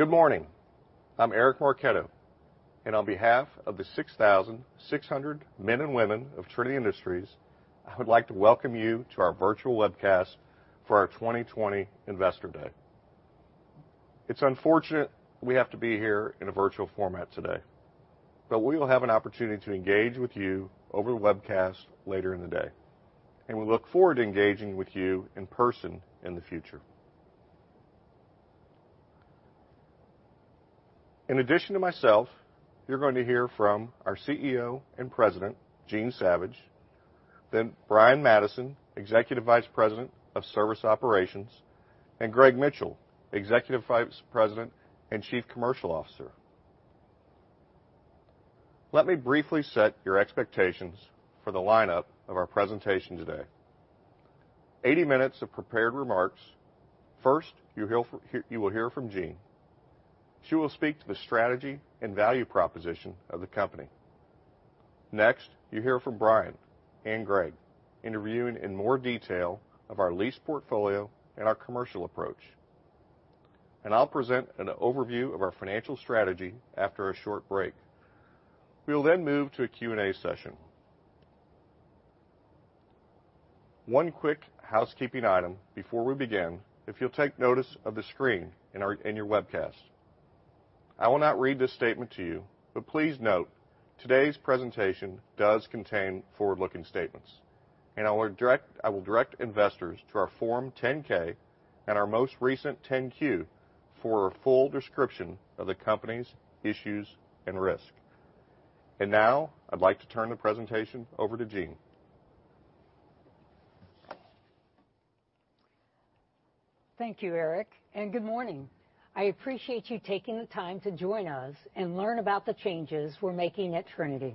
Good morning. I'm Eric Marchetto. On behalf of the 6,600 men and women of Trinity Industries, I would like to welcome you to our virtual webcast for our 2020 investor day. It's unfortunate we have to be here in a virtual format today. We will have an opportunity to engage with you over the webcast later in the day. We look forward to engaging with you in person in the future. In addition to myself, you're going to hear from our Chief Executive Officer and President, Jean Savage, then Brian D. Madison, Executive Vice President, Services Operations, and Gregg Mitchell, Executive Vice President and Chief Commercial Officer. Let me briefly set your expectations for the lineup of our presentation today. 80 minutes of prepared remarks. First, you will hear from Jean. She will speak to the strategy and value proposition of the company. Next, you hear from Brian and Gregg in reviewing in more detail of our lease portfolio and our commercial approach. I'll present an overview of our financial strategy after a short break. We'll then move to a Q&A session. One quick housekeeping item before we begin. If you'll take notice of the screen in your webcast. I will not read this statement to you, but please note today's presentation does contain forward-looking statements, I will direct investors to our Form 10-K and our most recent 10-Q for a full description of the company's issues and risks. Now I'd like to turn the presentation over to Jean. Thank you, Eric, and good morning. I appreciate you taking the time to join us and learn about the changes we're making at Trinity.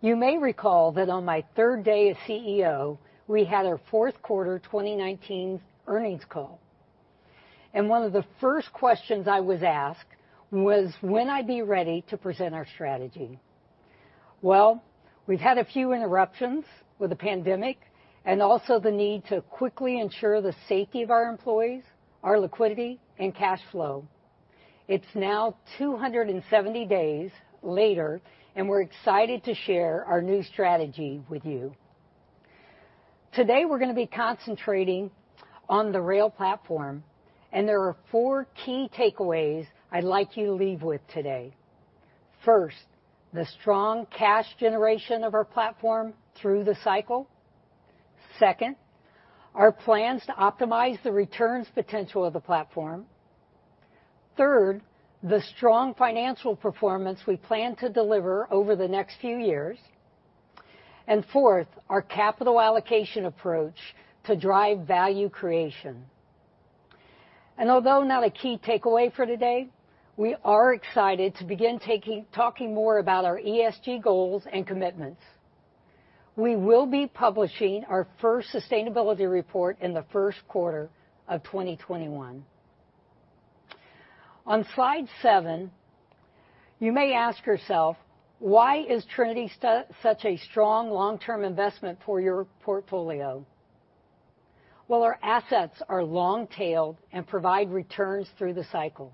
You may recall that on my third day as CEO, we had our fourth quarter 2019 earnings call. One of the first questions I was asked was when I'd be ready to present our strategy. We've had a few interruptions with the pandemic and also the need to quickly ensure the safety of our employees, our liquidity, and cash flow. It's now 270 days later, and we're excited to share our new strategy with you. Today, we're gonna be concentrating on the rail platform, and there are four key takeaways I'd like you to leave with today. First, the strong cash generation of our platform through the cycle. Second, our plans to optimize the returns potential of the platform. Third, the strong financial performance we plan to deliver over the next three years. Fourth, our capital allocation approach to drive value creation. Although not a key takeaway for today, we are excited to begin talking more about our ESG goals and commitments. We will be publishing our first sustainability report in the first quarter of 2021. On slide 7, you may ask yourself, why is Trinity such a strong long-term investment for your portfolio? Well, our assets are long-tailed and provide returns through the cycle.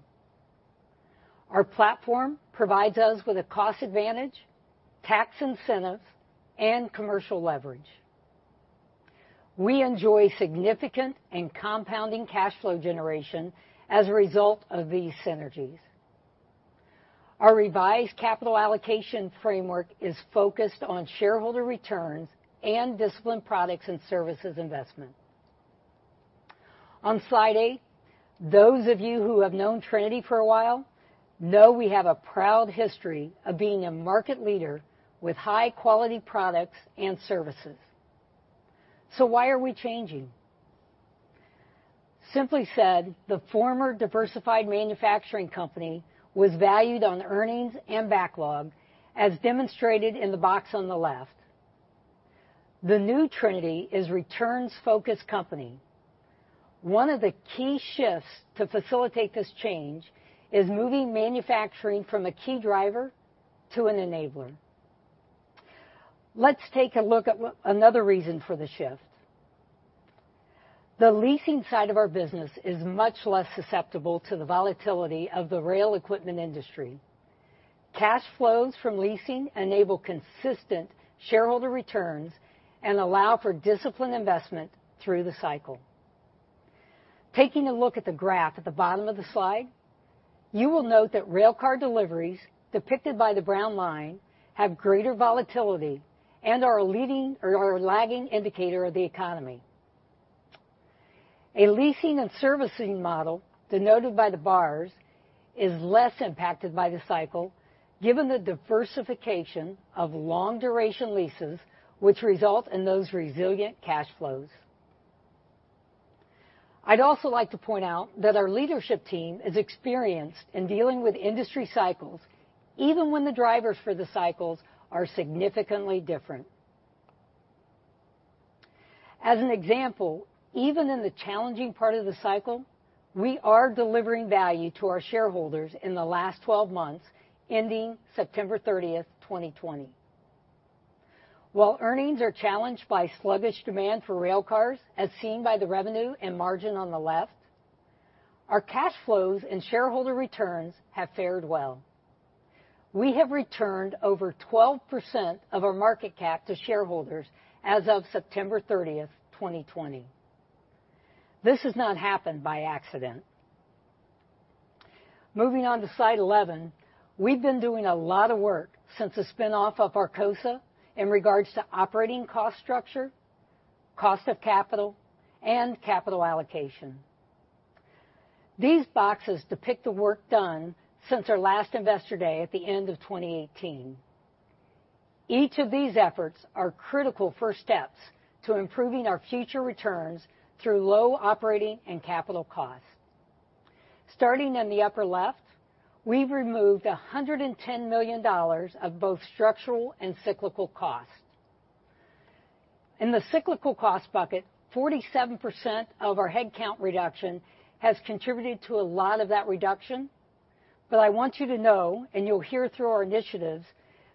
Our platform provides us with a cost advantage, tax incentives, and commercial leverage. We enjoy significant and compounding cash flow generation as a result of these synergies. Our revised capital allocation framework is focused on shareholder returns and disciplined products and services investment. On slide 8, those of you who have known Trinity for a while know we have a proud history of being a market leader with high-quality products and services. Why are we changing? Simply said, the former diversified manufacturing company was valued on earnings and backlog, as demonstrated in the box on the left. The new Trinity is returns-focused company. One of the key shifts to facilitate this change is moving manufacturing from a key driver to an enabler. Let's take a look at another reason for the shift. The leasing side of our business is much less susceptible to the volatility of the rail equipment industry. Cash flows from leasing enable consistent shareholder returns and allow for disciplined investment through the cycle. Taking a look at the graph at the bottom of the slide, you will note that railcar deliveries, depicted by the brown line, have greater volatility and are a lagging indicator of the economy. A leasing and servicing model, denoted by the bars, is less impacted by the cycle given the diversification of long-duration leases which result in those resilient cash flows. I'd also like to point out that our leadership team is experienced in dealing with industry cycles, even when the drivers for the cycles are significantly different. As an example, even in the challenging part of the cycle, we are delivering value to our shareholders in the last 12 months, ending September 30, 2020. Earnings are challenged by sluggish demand for rail cars, as seen by the revenue and margin on the left, our cash flows and shareholder returns have fared well. We have returned over 12% of our market cap to shareholders as of September 30, 2020. This has not happened by accident. Moving on to slide 11, we've been doing a lot of work since the spin-off of Arcosa in regards to operating cost structure, cost of capital, and capital allocation. These boxes depict the work done since our last investor day at the end of 2018. Each of these efforts are critical first steps to improving our future returns through low operating and capital costs. Starting in the upper left, we've removed $110 million of both structural and cyclical costs. In the cyclical cost bucket, 47% of our head count reduction has contributed to a lot of that reduction, I want you to know, and you'll hear through our initiatives,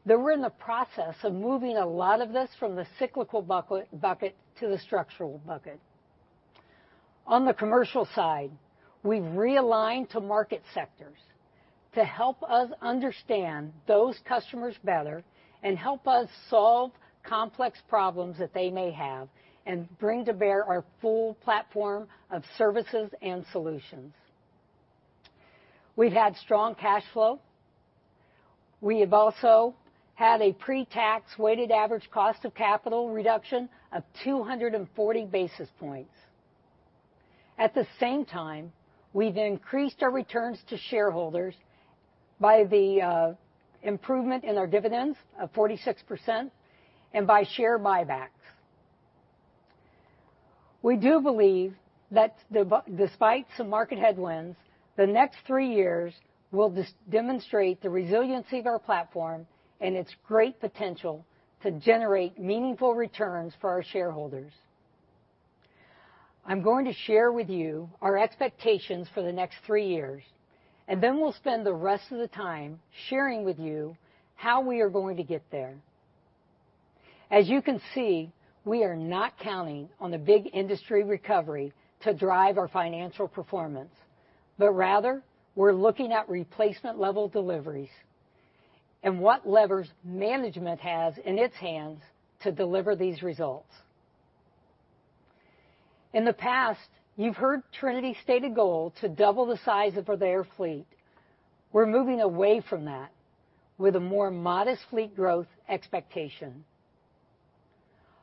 that we're in the process of moving a lot of this from the cyclical bucket to the structural bucket. On the commercial side, we've realigned to market sectors to help us understand those customers better and help us solve complex problems that they may have and bring to bear our full platform of services and solutions. We've had strong cash flow. We have also had a pre-tax weighted average cost of capital reduction of 240 basis points. At the same time, we've increased our returns to shareholders by the improvement in our dividends of 46% and by share buybacks. We do believe that despite some market headwinds, the next three years will demonstrate the resiliency of our platform and its great potential to generate meaningful returns for our shareholders. I'm going to share with you our expectations for the next three years, and then we'll spend the rest of the time sharing with you how we are going to get there. As you can see, we are not counting on the big industry recovery to drive our financial performance, but rather, we're looking at replacement level deliveries and what levers management has in its hands to deliver these results. In the past, you've heard Trinity state a goal to double the size of their fleet. We're moving away from that with a more modest fleet growth expectation.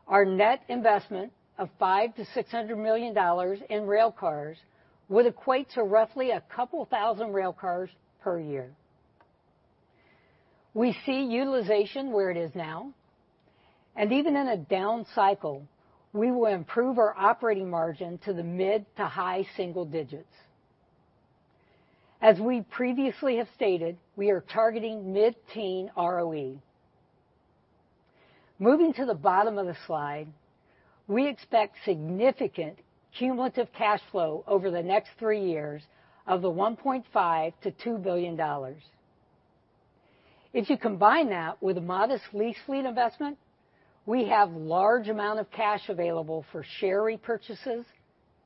Our net investment of $500 million-$600 million in rail cars would equate to roughly 2,000 rail cars per year. We see utilization where it is now, and even in a down cycle, we will improve our operating margin to the mid- to high-single digits. As we previously have stated, we are targeting mid-teen ROE. Moving to the bottom of the slide, we expect significant cumulative cash flow over the next three years of $1.5 billion-$2 billion. If you combine that with a modest lease fleet investment, we have large amount of cash available for share repurchases,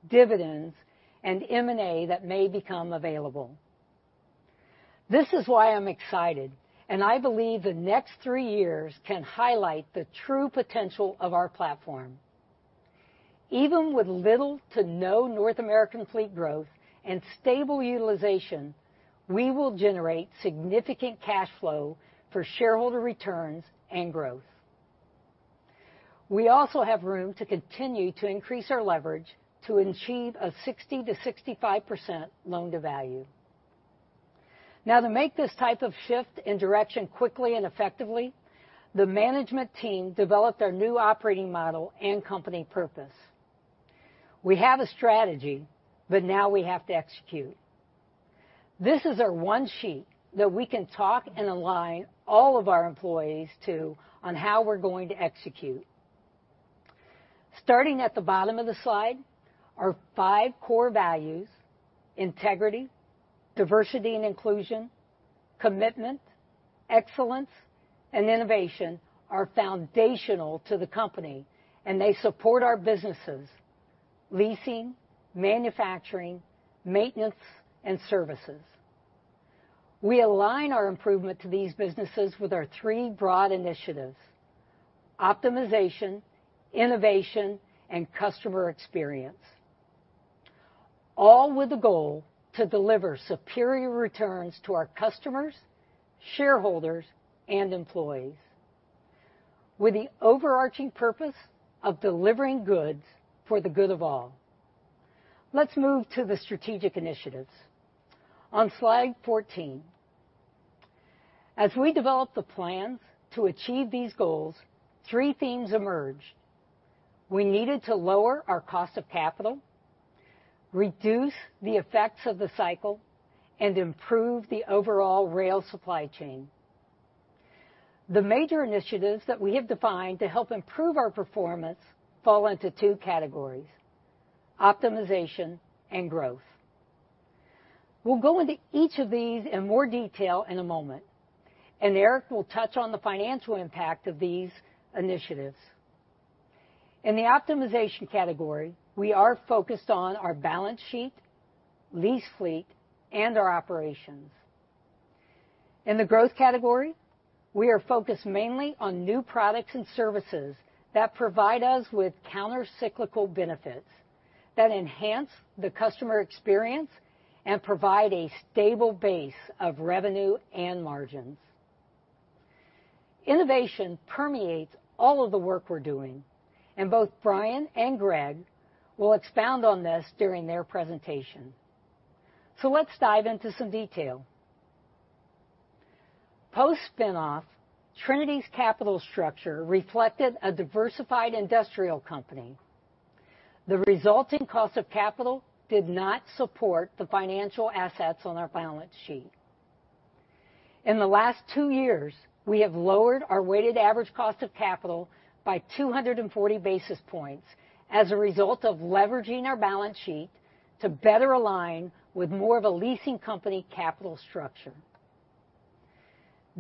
dividends, and M&A that may become available. This is why I'm excited, and I believe the next three years can highlight the true potential of our platform. Even with little to no North American fleet growth and stable utilization, we will generate significant cash flow for shareholder returns and growth. We also have room to continue to increase our leverage to achieve a 60%-65% loan-to-value. To make this type of shift in direction quickly and effectively, the management team developed our new operating model and company purpose. We have a strategy, but now we have to execute. This is our one sheet that we can talk and align all of our employees to on how we're going to execute. Starting at the bottom of the slide, our five core values, integrity, diversity and inclusion, commitment, excellence, and innovation, are foundational to the company, and they support our businesses: leasing, manufacturing, maintenance, and services. We align our improvement to these businesses with our three broad initiatives: optimization, innovation, and customer experience, all with the goal to deliver superior returns to our customers, shareholders, and employees with the overarching purpose of delivering goods for the good of all. Let's move to the strategic initiatives on slide 14. As we developed the plans to achieve these goals, three themes emerged. We needed to lower our cost of capital, reduce the effects of the cycle, and improve the overall rail supply chain. The major initiatives that we have defined to help improve our performance fall into two categories: optimization and growth. We'll go into each of these in more detail in a moment, and Eric will touch on the financial impact of these initiatives. In the optimization category, we are focused on our balance sheet, lease fleet, and our operations. In the growth category, we are focused mainly on new products and services that provide us with counter-cyclical benefits that enhance the customer experience and provide a stable base of revenue and margins. Innovation permeates all of the work we're doing. Both Brian and Gregg will expound on this during their presentation. Let's dive into some detail. Post-spin off, Trinity's capital structure reflected a diversified industrial company. The resulting cost of capital did not support the financial assets on our balance sheet. In the last two years, we have lowered our weighted average cost of capital by 240 basis points as a result of leveraging our balance sheet to better align with more of a leasing company capital structure.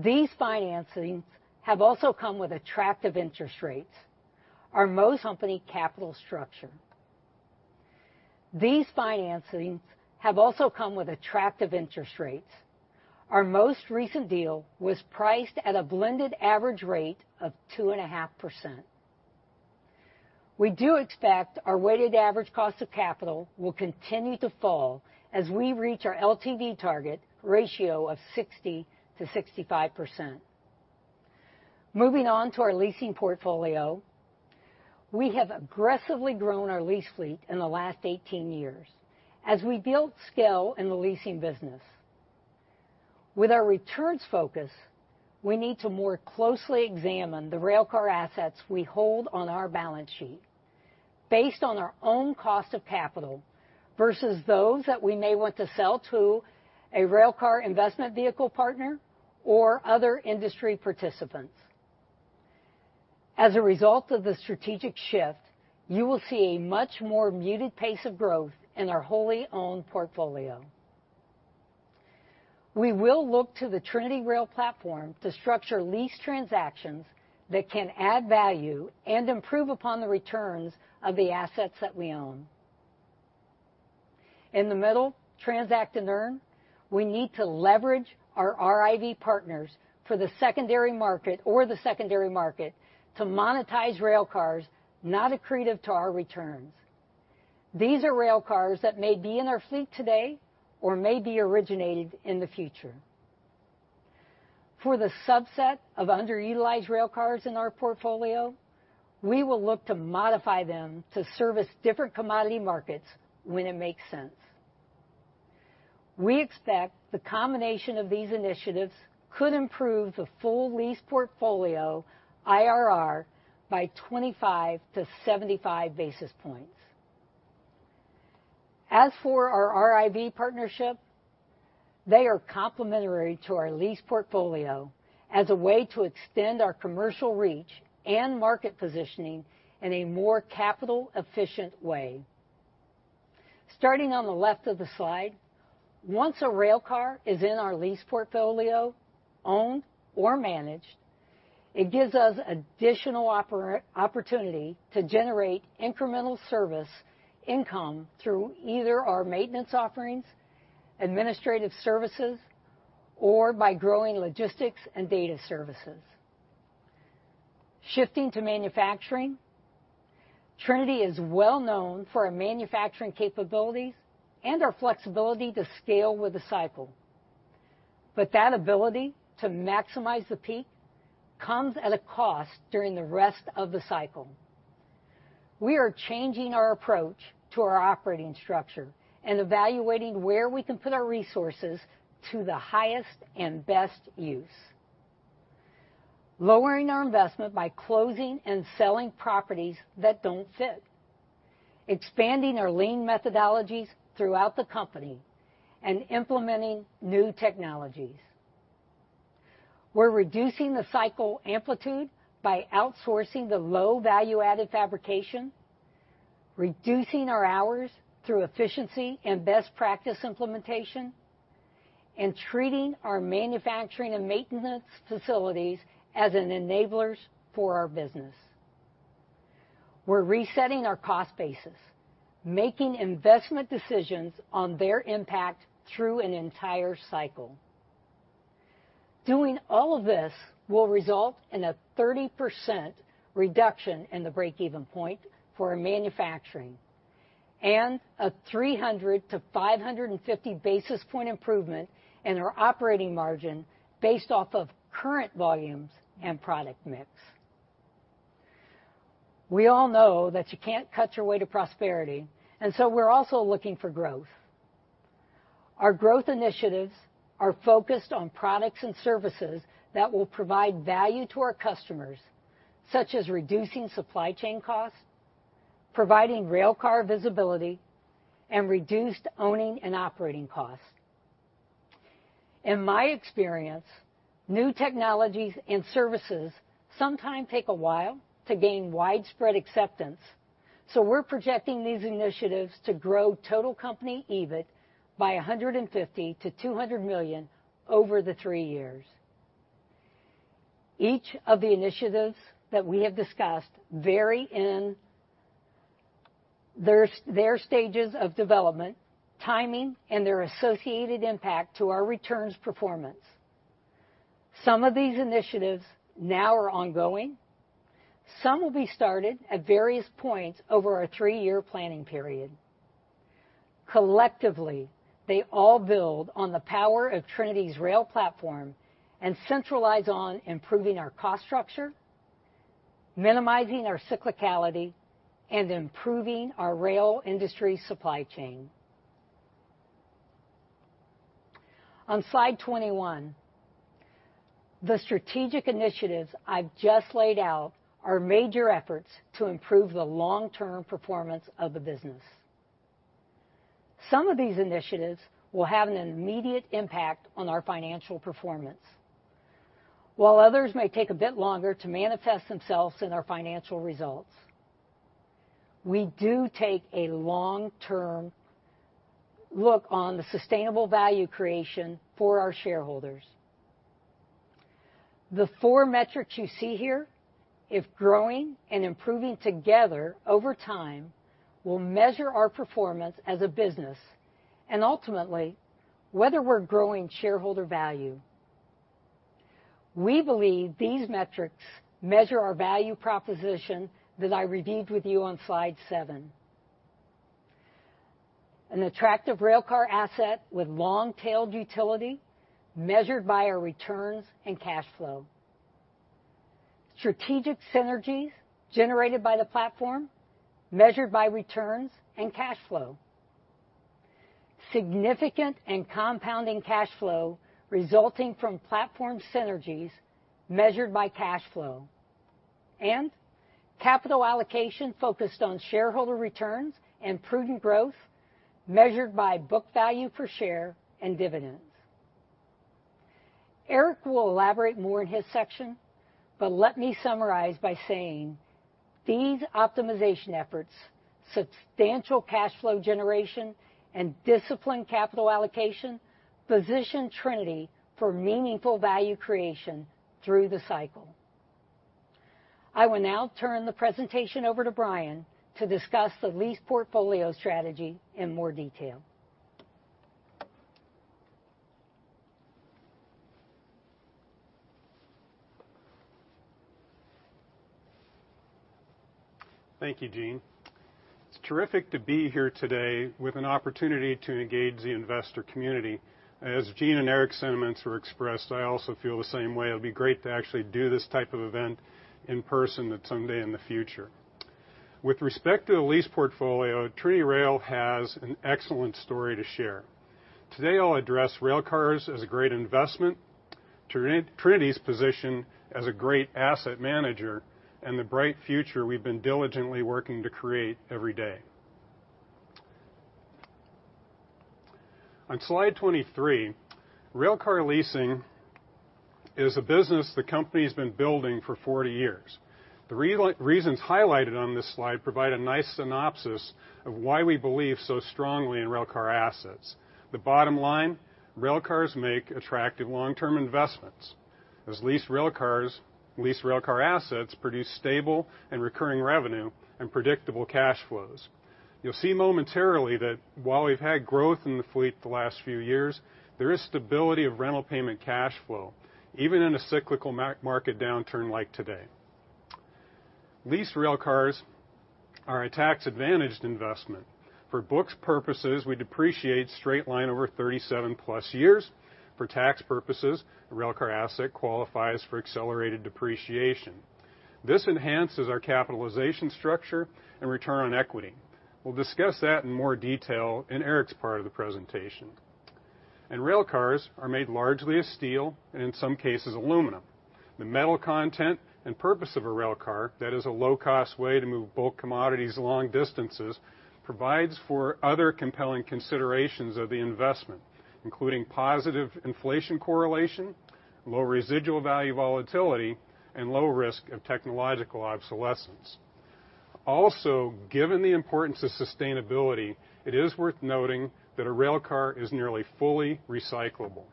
These financings have also come with attractive interest rates. Our most recent deal was priced at a blended average rate of 2.5%. We do expect our weighted average cost of capital will continue to fall as we reach our LTV target ratio of 60%-65%. Moving on to our leasing portfolio, we have aggressively grown our lease fleet in the last 18 years as we build scale in the leasing business. With our returns focus, we need to more closely examine the railcar assets we hold on our balance sheet based on our own cost of capital versus those that we may want to sell to a Railcar Investment Vehicle partner or other industry participants. As a result of the strategic shift, you will see a much more muted pace of growth in our wholly owned portfolio. We will look to the TrinityRail platform to structure lease transactions that can add value and improve upon the returns of the assets that we own. In the middle, transact to earn, we need to leverage our RIV partners for the secondary market, or the secondary market to monetize railcars not accretive to our returns. These are railcars that may be in our fleet today or may be originated in the future. For the subset of underutilized railcars in our portfolio, we will look to modify them to service different commodity markets when it makes sense. We expect the combination of these initiatives could improve the full lease portfolio IRR by 25 to 75 basis points. As for our RIV partnership, they are complementary to our lease portfolio as a way to extend our commercial reach and market positioning in a more capital efficient way. Starting on the left of the slide, once a railcar is in our lease portfolio, owned or managed, it gives us additional opportunity to generate incremental service income through either our maintenance offerings, administrative services, or by growing logistics and data services. Shifting to manufacturing, Trinity is well known for our manufacturing capabilities and our flexibility to scale with the cycle. That ability to maximize the peak comes at a cost during the rest of the cycle. We are changing our approach to our operating structure and evaluating where we can put our resources to the highest and best use. Lowering our investment by closing and selling properties that don't fit, expanding our lean methodologies throughout the company, and implementing new technologies. We're reducing the cycle amplitude by outsourcing the low value-added fabrication, reducing our hours through efficiency and best practice implementation, and treating our manufacturing and maintenance facilities as an enablers for our business. We're resetting our cost basis, making investment decisions on their impact through an entire cycle. Doing all of this will result in a 30% reduction in the break-even point for our manufacturing and a 300-550 basis point improvement in our operating margin based off of current volumes and product mix. We all know that you can't cut your way to prosperity. We're also looking for growth. Our growth initiatives are focused on products and services that will provide value to our customers, such as reducing supply chain costs, providing railcar visibility, and reduced owning and operating costs. In my experience, new technologies and services sometimes take a while to gain widespread acceptance. We're projecting these initiatives to grow total company EBIT by $150 million-$200 million over the three years. Each of the initiatives that we have discussed vary in their stages of development, timing, and their associated impact to our returns performance. Some of these initiatives now are ongoing. Some will be started at various points over our 3-year planning period. Collectively, they all build on the power of TrinityRail platform and centralize on improving our cost structure, minimizing our cyclicality, and improving our rail industry supply chain. On slide 21, the strategic initiatives I've just laid out are major efforts to improve the long-term performance of the business. Some of these initiatives will have an immediate impact on our financial performance, while others may take a bit longer to manifest themselves in our financial results. We do take a long-term look on the sustainable value creation for our shareholders. The four metrics you see here, if growing and improving together over time, will measure our performance as a business and ultimately whether we're growing shareholder value. We believe these metrics measure our value proposition that I reviewed with you on slide 7. An attractive railcar asset with long-tailed utility measured by our returns and cash flow. Strategic synergies generated by the platform measured by returns and cash flow. Significant and compounding cash flow resulting from platform synergies measured by cash flow. Capital allocation focused on shareholder returns and prudent growth measured by book value per share and dividends. Eric will elaborate more in his section, but let me summarize by saying these optimization efforts, substantial cash flow generation, and disciplined capital allocation position Trinity Industries for meaningful value creation through the cycle. I will now turn the presentation over to Brian to discuss the lease portfolio strategy in more detail. Thank you, Jean. It's terrific to be here today with an opportunity to engage the investor community. As Jean and Eric's sentiments were expressed, I also feel the same way. It'll be great to actually do this type of event in person someday in the future. With respect to the lease portfolio, TrinityRail has an excellent story to share. Today, I'll address railcars as a great investment, Trinity's position as a great asset manager, and the bright future we've been diligently working to create every day. On slide 23, railcar leasing is a business the company's been building for 40 years. The reasons highlighted on this slide provide a nice synopsis of why we believe so strongly in railcar assets. The bottom line, railcars make attractive long-term investments, as leased railcar assets produce stable and recurring revenue and predictable cash flows. You'll see momentarily that while we've had growth in the fleet the last few years, there is stability of rental payment cash flow, even in a cyclical market downturn like today. Leased railcars are a tax-advantaged investment. For books purposes, we depreciate straight line over 37+ years. For tax purposes, a railcar asset qualifies for accelerated depreciation. This enhances our capitalization structure and return on equity. We'll discuss that in more detail in Eric's part of the presentation. Railcars are made largely of steel and in some cases aluminum. The metal content and purpose of a railcar, that is a low-cost way to move bulk commodities long distances, provides for other compelling considerations of the investment, including positive inflation correlation, low residual value volatility, and low risk of technological obsolescence. Also, given the importance of sustainability, it is worth noting that a railcar is nearly fully recyclable.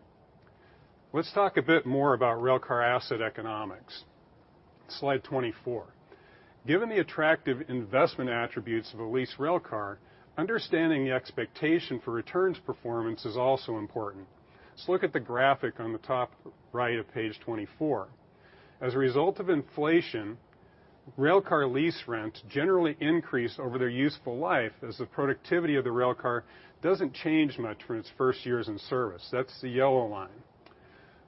Let's talk a bit more about railcar asset economics. Slide 24. Given the attractive investment attributes of a leased railcar, understanding the expectation for returns performance is also important. Let's look at the graphic on the top right of page 24. As a result of inflation, railcar lease rents generally increase over their useful life, as the productivity of the railcar doesn't change much from its first years in service. That's the yellow line.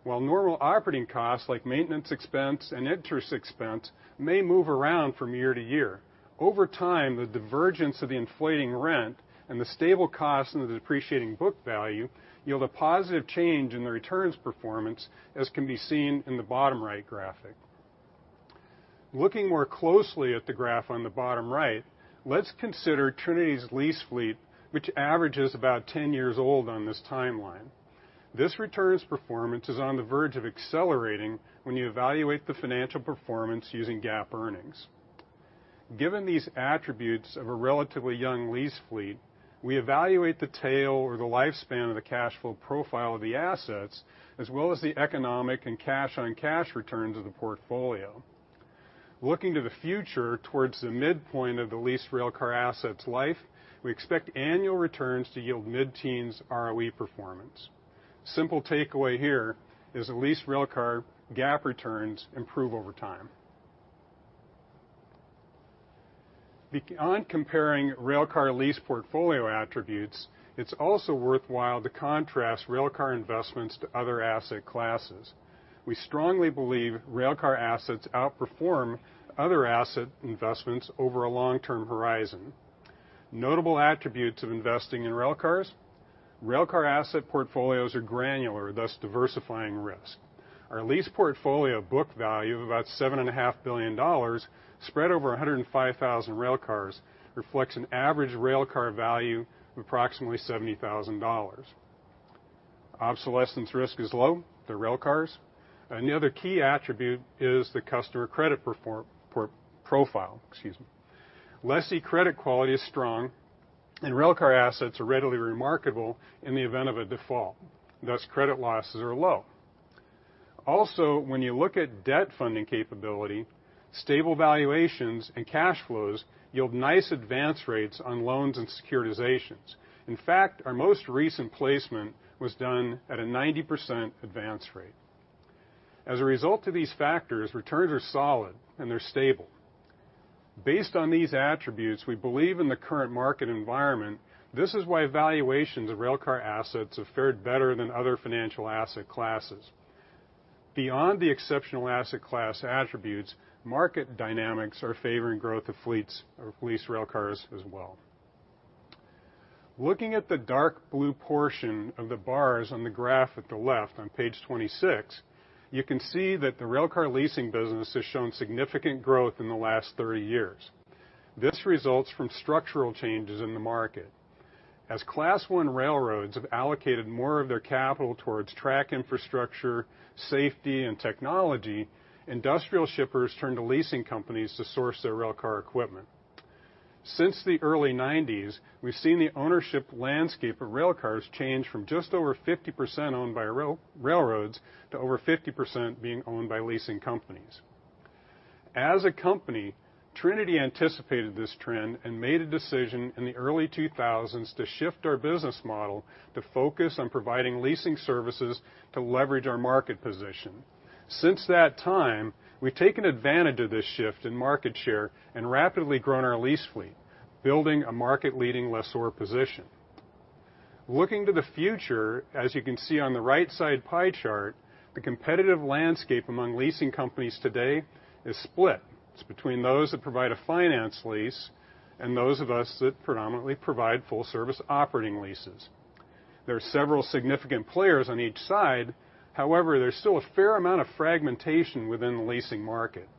While normal operating costs like maintenance expense and interest expense may move around from year to year, over time, the divergence of the inflating rent and the stable cost and the depreciating book value yield a positive change in the returns performance, as can be seen in the bottom right graphic. Looking more closely at the graph on the bottom right, let's consider Trinity's lease fleet, which averages about 10 years old on this timeline. This return's performance is on the verge of accelerating when you evaluate the financial performance using GAAP earnings. Given these attributes of a relatively young lease fleet, we evaluate the tail or the lifespan of the cash flow profile of the assets, as well as the economic and cash-on-cash returns of the portfolio. Looking to the future, towards the midpoint of the leased railcar asset's life, we expect annual returns to yield mid-teens ROE performance. Simple takeaway here is the leased railcar GAAP returns improve over time. Beyond comparing railcar lease portfolio attributes, it is also worthwhile to contrast railcar investments to other asset classes. We strongly believe railcar assets outperform other asset investments over a long-term horizon. Notable attributes of investing in railcars, railcar asset portfolios are granular, thus diversifying risk. Our lease portfolio book value of about $7.5 billion Spread over 105,000 railcars reflects an average railcar value of approximately $70,000. Obsolescence risk is low. They're railcars. Another key attribute is the customer credit profile, excuse me. Lessee credit quality is strong, and railcar assets are readily re-marketable in the event of a default. Thus, credit losses are low. Also, when you look at debt funding capability, stable valuations and cash flows yield nice advance rates on loans and securitizations. In fact, our most recent placement was done at a 90% advance rate. As a result of these factors, returns are solid, and they're stable. Based on these attributes, we believe in the current market environment, this is why valuations of railcar assets have fared better than other financial asset classes. Beyond the exceptional asset class attributes, market dynamics are favoring growth of fleets or leased railcars as well. Looking at the dark blue portion of the bars on the graph at the left on page 26, you can see that the railcar leasing business has shown significant growth in the last 30 years. This results from structural changes in the market. As Class I railroads have allocated more of their capital towards track infrastructure, safety, and technology, industrial shippers turn to leasing companies to source their railcar equipment. Since the early 1990s, we've seen the ownership landscape of railcars change from just over 50% owned by rail, railroads to over 50% being owned by leasing companies. As a company, Trinity anticipated this trend and made a decision in the early 2000s to shift our business model to focus on providing leasing services to leverage our market position. Since that time, we've taken advantage of this shift in market share and rapidly grown our lease fleet, building a market-leading lessor position. Looking to the future, as you can see on the right side pie chart, the competitive landscape among leasing companies today is split. It's between those that provide a finance lease and those of us that predominantly provide full-service operating leases. There are several significant players on each side. However, there's still a fair amount of fragmentation within the leasing market.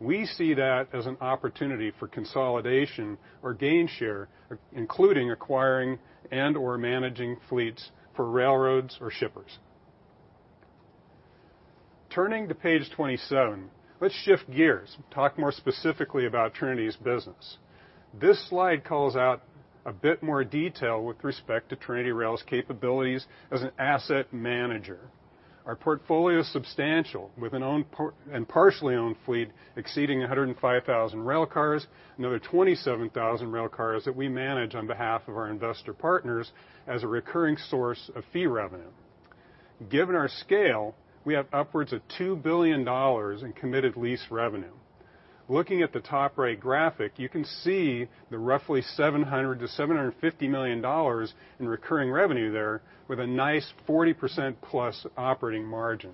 We see that as an opportunity for consolidation or gain share, including acquiring and/or managing fleets for railroads or shippers. Turning to page 27, let's shift gears and talk more specifically about Trinity's business. This slide calls out a bit more detail with respect to TrinityRail's capabilities as an asset manager. Our portfolio is substantial, with an owned and partially owned fleet exceeding 105,000 railcars, another 27,000 railcars that we manage on behalf of our investor partners as a recurring source of fee revenue. Given our scale, we have upwards of $2 billion in committed lease revenue. Looking at the top right graphic, you can see the roughly $700 million-$750 million in recurring revenue there with a nice 40%-plus operating margin.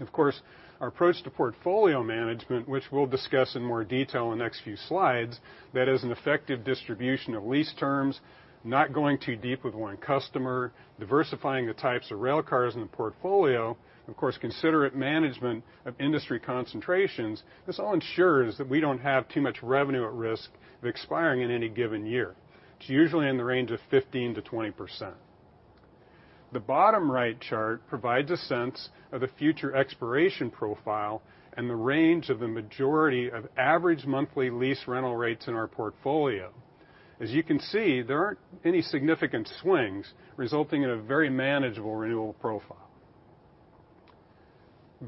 Of course, our approach to portfolio management, which we'll discuss in more detail in the next few slides, that is an effective distribution of lease terms, not going too deep with one customer, diversifying the types of railcars in the portfolio, of course, considerate management of industry concentrations, this all ensures that we don't have too much revenue at risk of expiring in any given year. It's usually in the range of 15%-20%. The bottom right chart provides a sense of the future expiration profile and the range of the majority of average monthly lease rental rates in our portfolio. As you can see, there aren't any significant swings resulting in a very manageable renewal profile.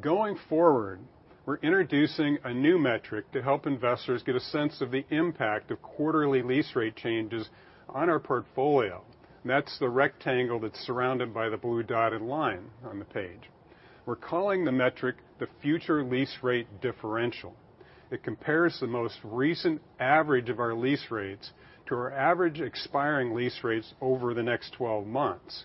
Going forward, we're introducing a new metric to help investors get a sense of the impact of quarterly lease rate changes on our portfolio. That's the rectangle that's surrounded by the blue dotted line on the page. We're calling the metric the Future Lease Rate Differential. It compares the most recent average of our lease rates to our average expiring lease rates over the next 12 months.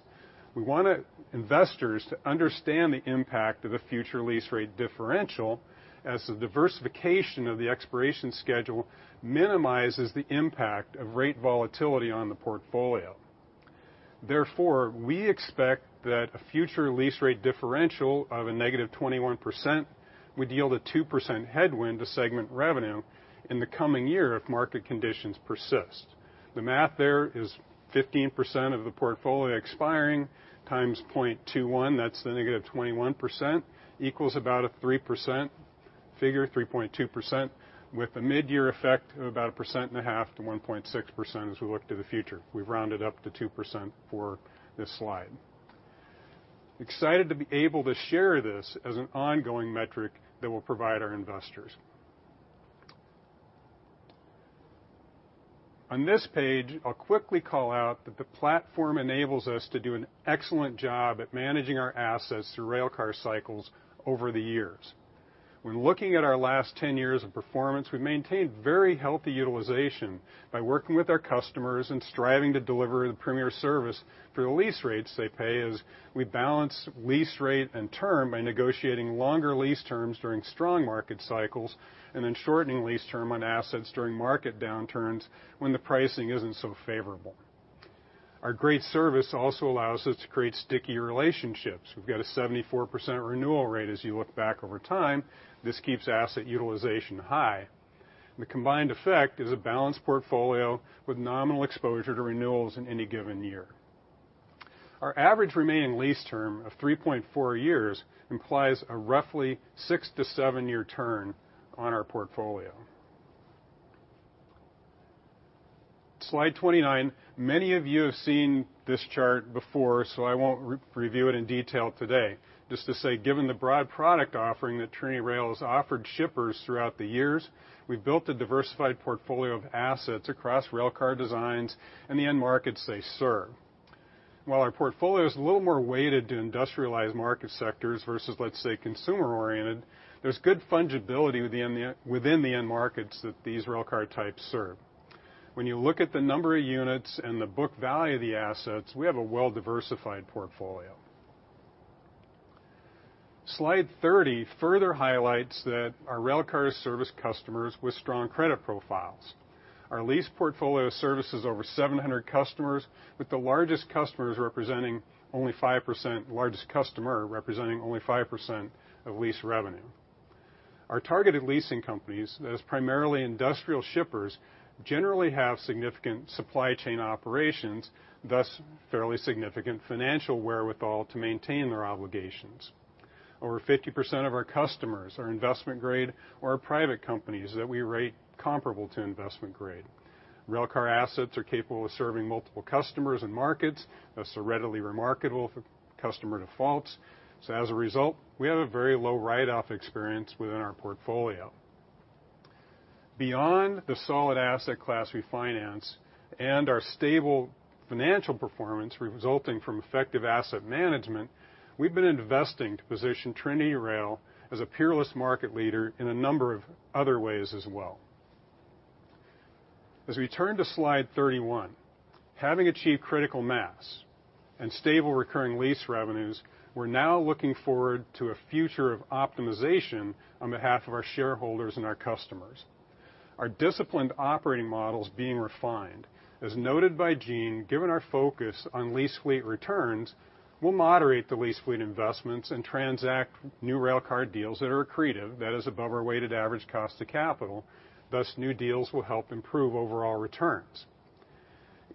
We want investors to understand the impact of the Future Lease Rate Differential as the diversification of the expiration schedule minimizes the impact of rate volatility on the portfolio. Therefore, we expect that a Future Lease Rate Differential of a -21% would yield a 2% headwind to segment revenue in the coming year if market conditions persist. The math there is 15% of the portfolio expiring times 0.21, that's the -21%, equals about a 3% figure, 3.2%, with a mid-year effect of about 1.5%-1.6% as we look to the future. We've rounded up to 2% for this slide. Excited to be able to share this as an ongoing metric that will provide our investors. On this page, I'll quickly call out that the platform enables us to do an excellent job at managing our assets through railcar cycles over the years. When looking at our last 10 years of performance, we've maintained very healthy utilization by working with our customers and striving to deliver the premier service for the lease rates they pay as we balance lease rate and term by negotiating longer lease terms during strong market cycles and then shortening lease term on assets during market downturns when the pricing isn't so favorable. Our great service also allows us to create sticky relationships. We've got a 74% renewal rate as you look back over time. This keeps asset utilization high. The combined effect is a balanced portfolio with nominal exposure to renewals in any given year. Our average remaining lease term of 3.4 years implies a roughly six to seven year turn on our portfolio. Slide 29. Many of you have seen this chart before, so I won't re-review it in detail today. Just to say, given the broad product offering that TrinityRail has offered shippers throughout the years, we've built a diversified portfolio of assets across railcar designs and the end markets they serve. While our portfolio is a little more weighted to industrialized market sectors versus, let's say, consumer-oriented, there's good fungibility within the end markets that these railcar types serve. When you look at the number of units and the book value of the assets, we have a well-diversified portfolio. Slide 30 further highlights that our railcar service customers with strong credit profiles. Our lease portfolio services over 700 customers, with the largest customer representing only 5% of lease revenue. Our targeted leasing companies, that is primarily industrial shippers, generally have significant supply chain operations, thus fairly significant financial wherewithal to maintain their obligations. Over 50% of our customers are investment grade or private companies that we rate comparable to investment grade. Railcar assets are capable of serving multiple customers and markets, thus are readily remarketable for customer defaults. As a result, we have a very low write-off experience within our portfolio. Beyond the solid asset class we finance and our stable financial performance resulting from effective asset management, we've been investing to position TrinityRail as a peerless market leader in a number of other ways as well. As we turn to slide 31, having achieved critical mass and stable recurring lease revenues, we're now looking forward to a future of optimization on behalf of our shareholders and our customers. Our disciplined operating model is being refined. As noted by Jean, given our focus on lease fleet returns, we'll moderate the lease fleet investments and transact new railcar deals that are accretive, that is above our weighted average cost of capital, thus new deals will help improve overall returns.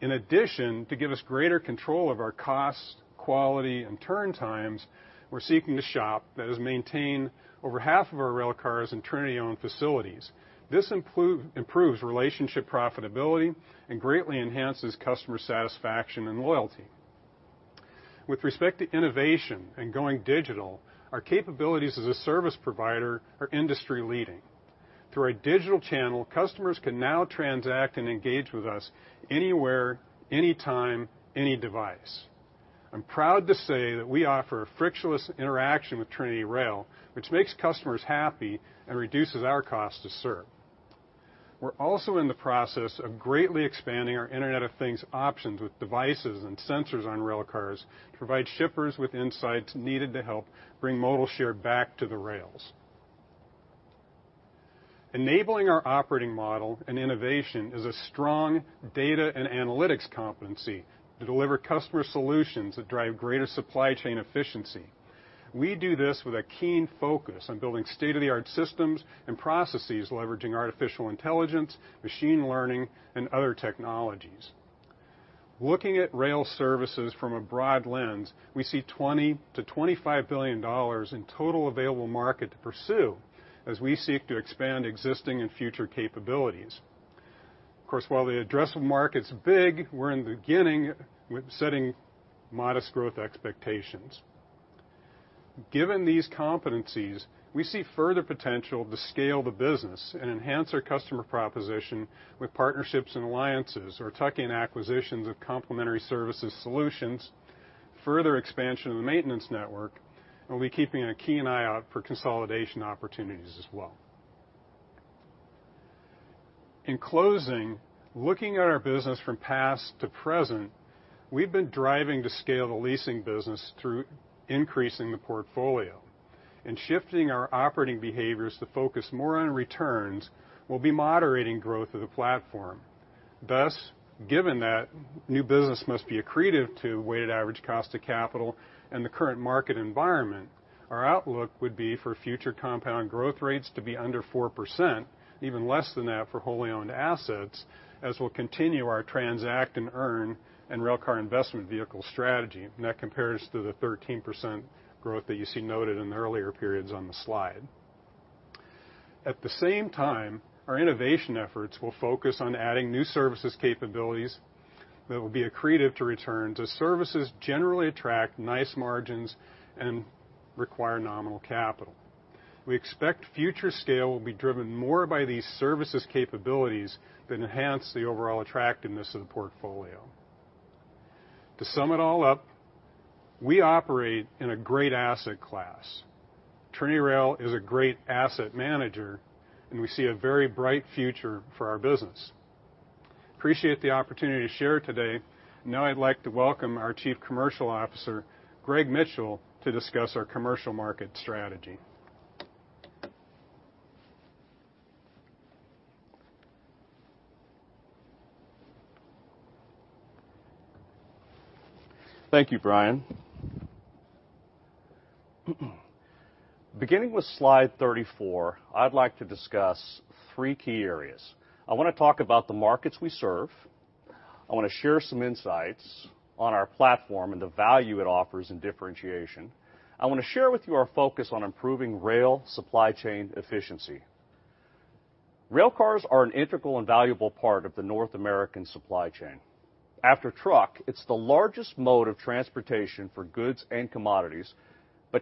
In addition, to give us greater control of our costs, quality, and turn times, we're seeking to shop, that is maintain over half of our railcars in Trinity-owned facilities. This improves relationship profitability and greatly enhances customer satisfaction and loyalty. With respect to innovation and going digital, our capabilities as a service provider are industry-leading. Through our digital channel, customers can now transact and engage with us anywhere, anytime, any device. I'm proud to say that we offer a frictionless interaction with TrinityRail, which makes customers happy and reduces our cost to serve. We're also in the process of greatly expanding our Internet of Things options with devices and sensors on railcars to provide shippers with insights needed to help bring modal share back to the rails. Enabling our operating model and innovation is a strong data and analytics competency to deliver customer solutions that drive greater supply chain efficiency. We do this with a keen focus on building state-of-the-art systems and processes leveraging artificial intelligence, machine learning, and other technologies. Looking at rail services from a broad lens, we see $20 billion-$25 billion in total available market to pursue as we seek to expand existing and future capabilities. Of course, while the addressable market's big, we're in the beginning with setting modest growth expectations. Given these competencies, we see further potential to scale the business and enhance our customer proposition with partnerships and alliances or tuck-in acquisitions of complementary services solutions, further expansion of the maintenance network, and we'll be keeping a keen eye out for consolidation opportunities as well. In closing, looking at our business from past to present, we've been driving to scale the leasing business through increasing the portfolio. Shifting our operating behaviors to focus more on returns will be moderating growth of the platform. Thus, given that new business must be accretive to weighted average cost of capital and the current market environment, our outlook would be for future compound growth rates to be under 4%, even less than that for wholly-owned assets, as we'll continue our transact-and-earn and railcar investment vehicle strategy. That compares to the 13% growth that you see noted in the earlier periods on the slide. At the same time, our innovation efforts will focus on adding new services capabilities that will be accretive to return, as services generally attract nice margins and require nominal capital. We expect future scale will be driven more by these services capabilities that enhance the overall attractiveness of the portfolio. To sum it all up, we operate in a great asset class. TrinityRail is a great asset manager, and we see a very bright future for our business. Appreciate the opportunity to share today. Now I'd like to welcome our Chief Commercial Officer, Gregg Mitchell, to discuss our commercial market strategy. Thank you, Brian. Beginning with slide 34, I'd like to discuss three key areas. I wanna talk about the markets we serve. I wanna share some insights on our platform and the value it offers in differentiation. I wanna share with you our focus on improving rail supply chain efficiency. Railcars are an integral and valuable part of the North American supply chain. After truck, it's the largest mode of transportation for goods and commodities.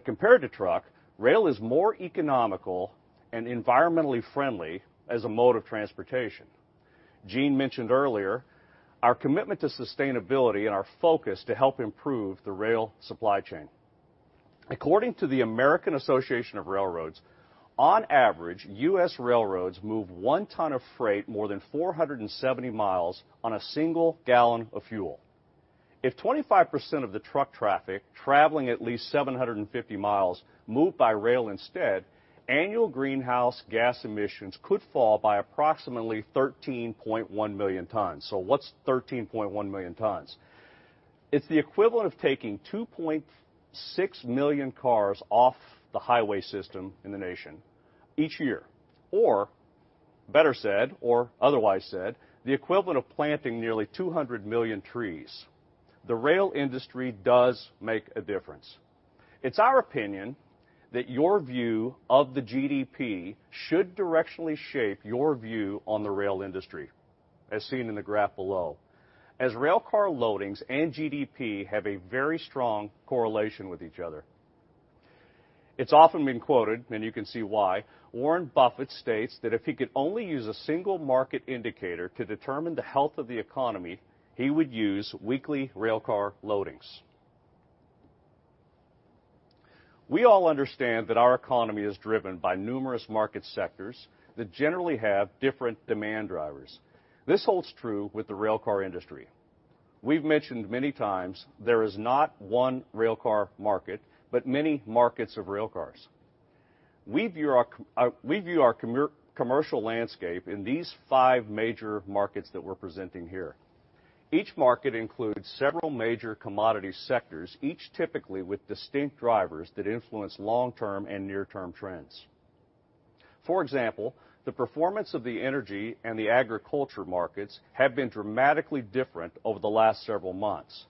Compared to truck, rail is more economical and environmentally friendly as a mode of transportation. Jean mentioned earlier our commitment to sustainability and our focus to help improve the rail supply chain. According to the Association of American Railroads, on average, U.S. railroads move 1 ton of freight more than 470 mi on a single gallon of fuel. If 25% of the truck traffic traveling at least 750 mi moved by rail instead, annual greenhouse gas emissions could fall by approximately 13.1 million tons. What's 13.1 million tons? It's the equivalent of taking 2.6 million cars off the highway system in the nation each year. Better said, or otherwise said, the equivalent of planting nearly 200 million trees. The rail industry does make a difference. It's our opinion that your view of the GDP should directionally shape your view on the rail industry, as seen in the graph below, as railcar loadings and GDP have a very strong correlation with each other. It's often been quoted, and you can see why, Warren Buffett states that if he could only use a single market indicator to determine the health of the economy, he would use weekly railcar loadings. We all understand that our economy is driven by numerous market sectors that generally have different demand drivers. This holds true with the railcar industry. We've mentioned many times there is not one railcar market, but many markets of railcars. We view our commercial landscape in these five major markets that we're presenting here. Each market includes several major commodity sectors, each typically with distinct drivers that influence long-term and near-term trends. For example, the performance of the energy and the agriculture markets have been dramatically different over the last several months.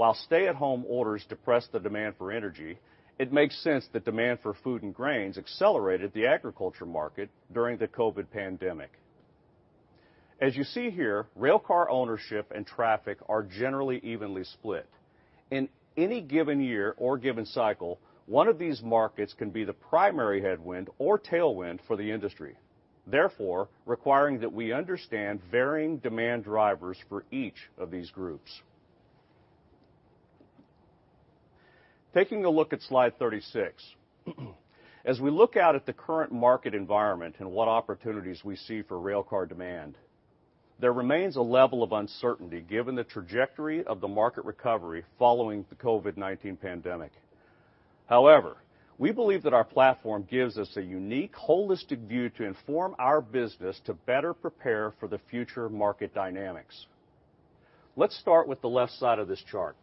While stay-at-home orders depressed the demand for energy, it makes sense that demand for food and grains accelerated the agriculture market during the COVID pandemic. As you see here, railcar ownership and traffic are generally evenly split. In any given year or given cycle, one of these markets can be the primary headwind or tailwind for the industry, therefore requiring that we understand varying demand drivers for each of these groups. Taking a look at slide 36. As we look out at the current market environment and what opportunities we see for railcar demand, there remains a level of uncertainty given the trajectory of the market recovery following the COVID-19 pandemic. We believe that our platform gives us a unique holistic view to inform our business to better prepare for the future market dynamics. Let's start with the left side of this chart.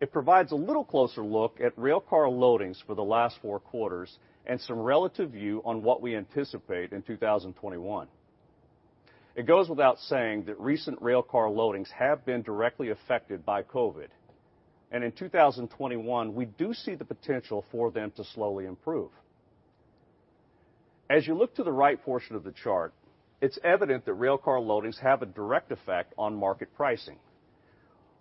It provides a little closer look at railcar loadings for the last four quarters and some relative view on what we anticipate in 2021. It goes without saying that recent railcar loadings have been directly affected by COVID, and in 2021, we do see the potential for them to slowly improve. As you look to the right portion of the chart, it's evident that railcar loadings have a direct effect on market pricing.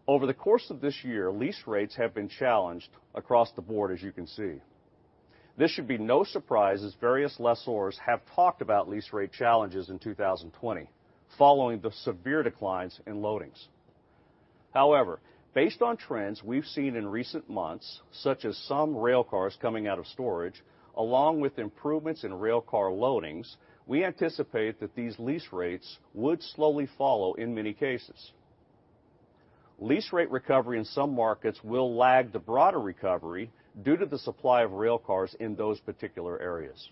Over the course of this year, lease rates have been challenged across the board, as you can see. This should be no surprise as various lessors have talked about lease rate challenges in 2020, following the severe declines in loadings. However, based on trends we've seen in recent months, such as some railcars coming out of storage, along with improvements in railcar loadings, we anticipate that these lease rates would slowly follow in many cases. Lease rate recovery in some markets will lag the broader recovery due to the supply of railcars in those particular areas.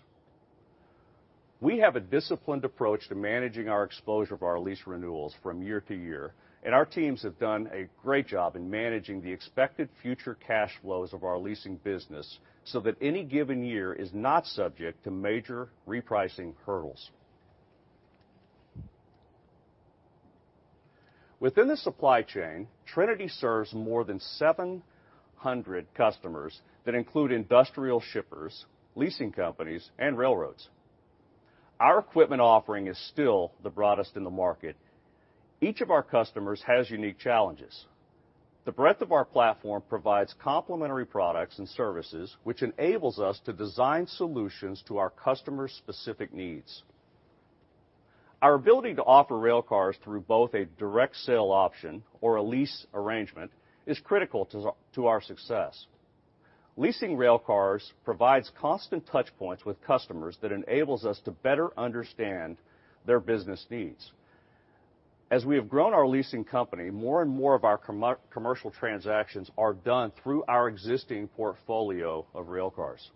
We have a disciplined approach to managing our exposure of our lease renewals from year to year, and our teams have done a great job in managing the expected future cash flows of our leasing business so that any given year is not subject to major repricing hurdles. Within the supply chain, Trinity serves more than 700 customers that include industrial shippers, leasing companies, and railroads. Our equipment offering is still the broadest in the market. Each of our customers has unique challenges. The breadth of our platform provides complementary products and services, which enables us to design solutions to our customers' specific needs. Our ability to offer railcars through both a direct sale option or a lease arrangement is critical to our success. Leasing railcars provides constant touch points with customers that enables us to better understand their business needs. As we have grown our leasing company, more and more of our commercial transactions are done through our existing portfolio of railcars.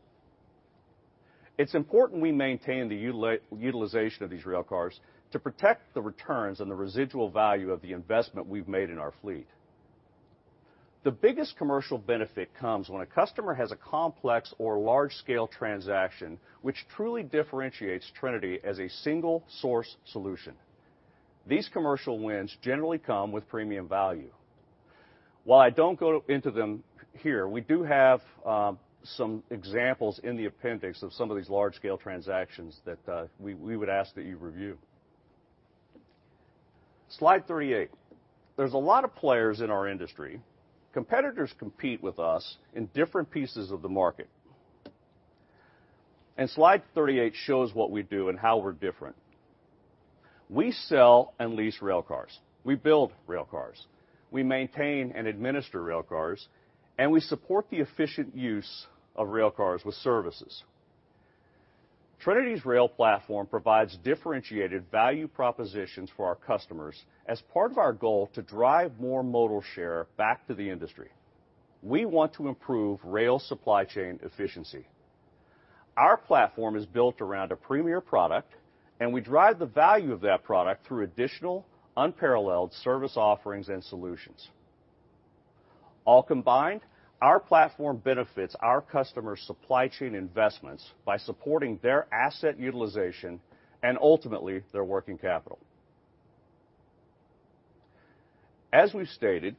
It's important we maintain the utilization of these railcars to protect the returns and the residual value of the investment we've made in our fleet. The biggest commercial benefit comes when a customer has a complex or large-scale transaction, which truly differentiates Trinity as a single source solution. These commercial wins generally come with premium value. While I don't go into them here, we do have some examples in the appendix of some of these large-scale transactions that we would ask that you review. Slide 38. There's a lot of players in our industry. Competitors compete with us in different pieces of the market. Slide 38 shows what we do and how we're different. We sell and lease rail cars. We build rail cars. We maintain and administer rail cars, and we support the efficient use of rail cars with services. TrinityRail platform provides differentiated value propositions for our customers as part of our goal to drive more modal share back to the industry. We want to improve rail supply chain efficiency. Our platform is built around a premier product, and we drive the value of that product through additional unparalleled service offerings and solutions. All combined, our platform benefits our customers' supply chain investments by supporting their asset utilization and ultimately their working capital. As we stated,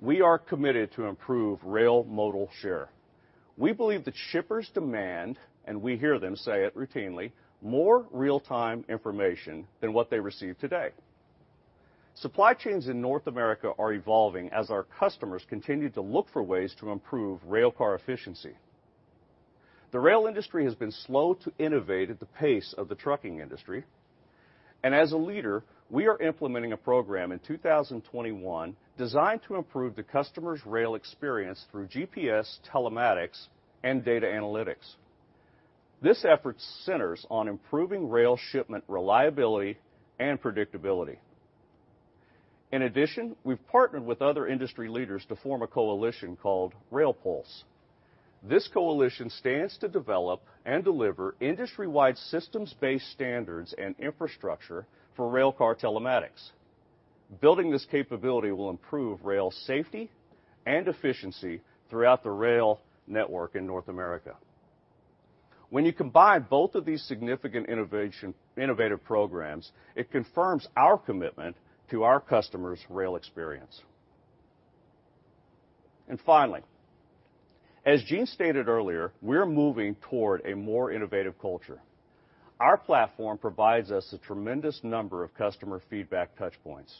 we are committed to improve rail modal share. We believe that shippers demand, and we hear them say it routinely, more real-time information than what they receive today. Supply chains in North America are evolving as our customers continue to look for ways to improve rail car efficiency. The rail industry has been slow to innovate at the pace of the trucking industry. As a leader, we are implementing a program in 2021 designed to improve the customer's rail experience through GPS telematics and data analytics. This effort centers on improving rail shipment reliability and predictability. In addition, we've partnered with other industry leaders to form a coalition called RailPulse. This coalition stands to develop and deliver industry-wide systems-based standards and infrastructure for railcar telematics. Building this capability will improve rail safety and efficiency throughout the rail network in North America. When you combine both of these significant innovative programs, it confirms our commitment to our customers' rail experience. Finally, as Jean stated earlier, we're moving toward a more innovative culture. Our platform provides us a tremendous number of customer feedback touchpoints.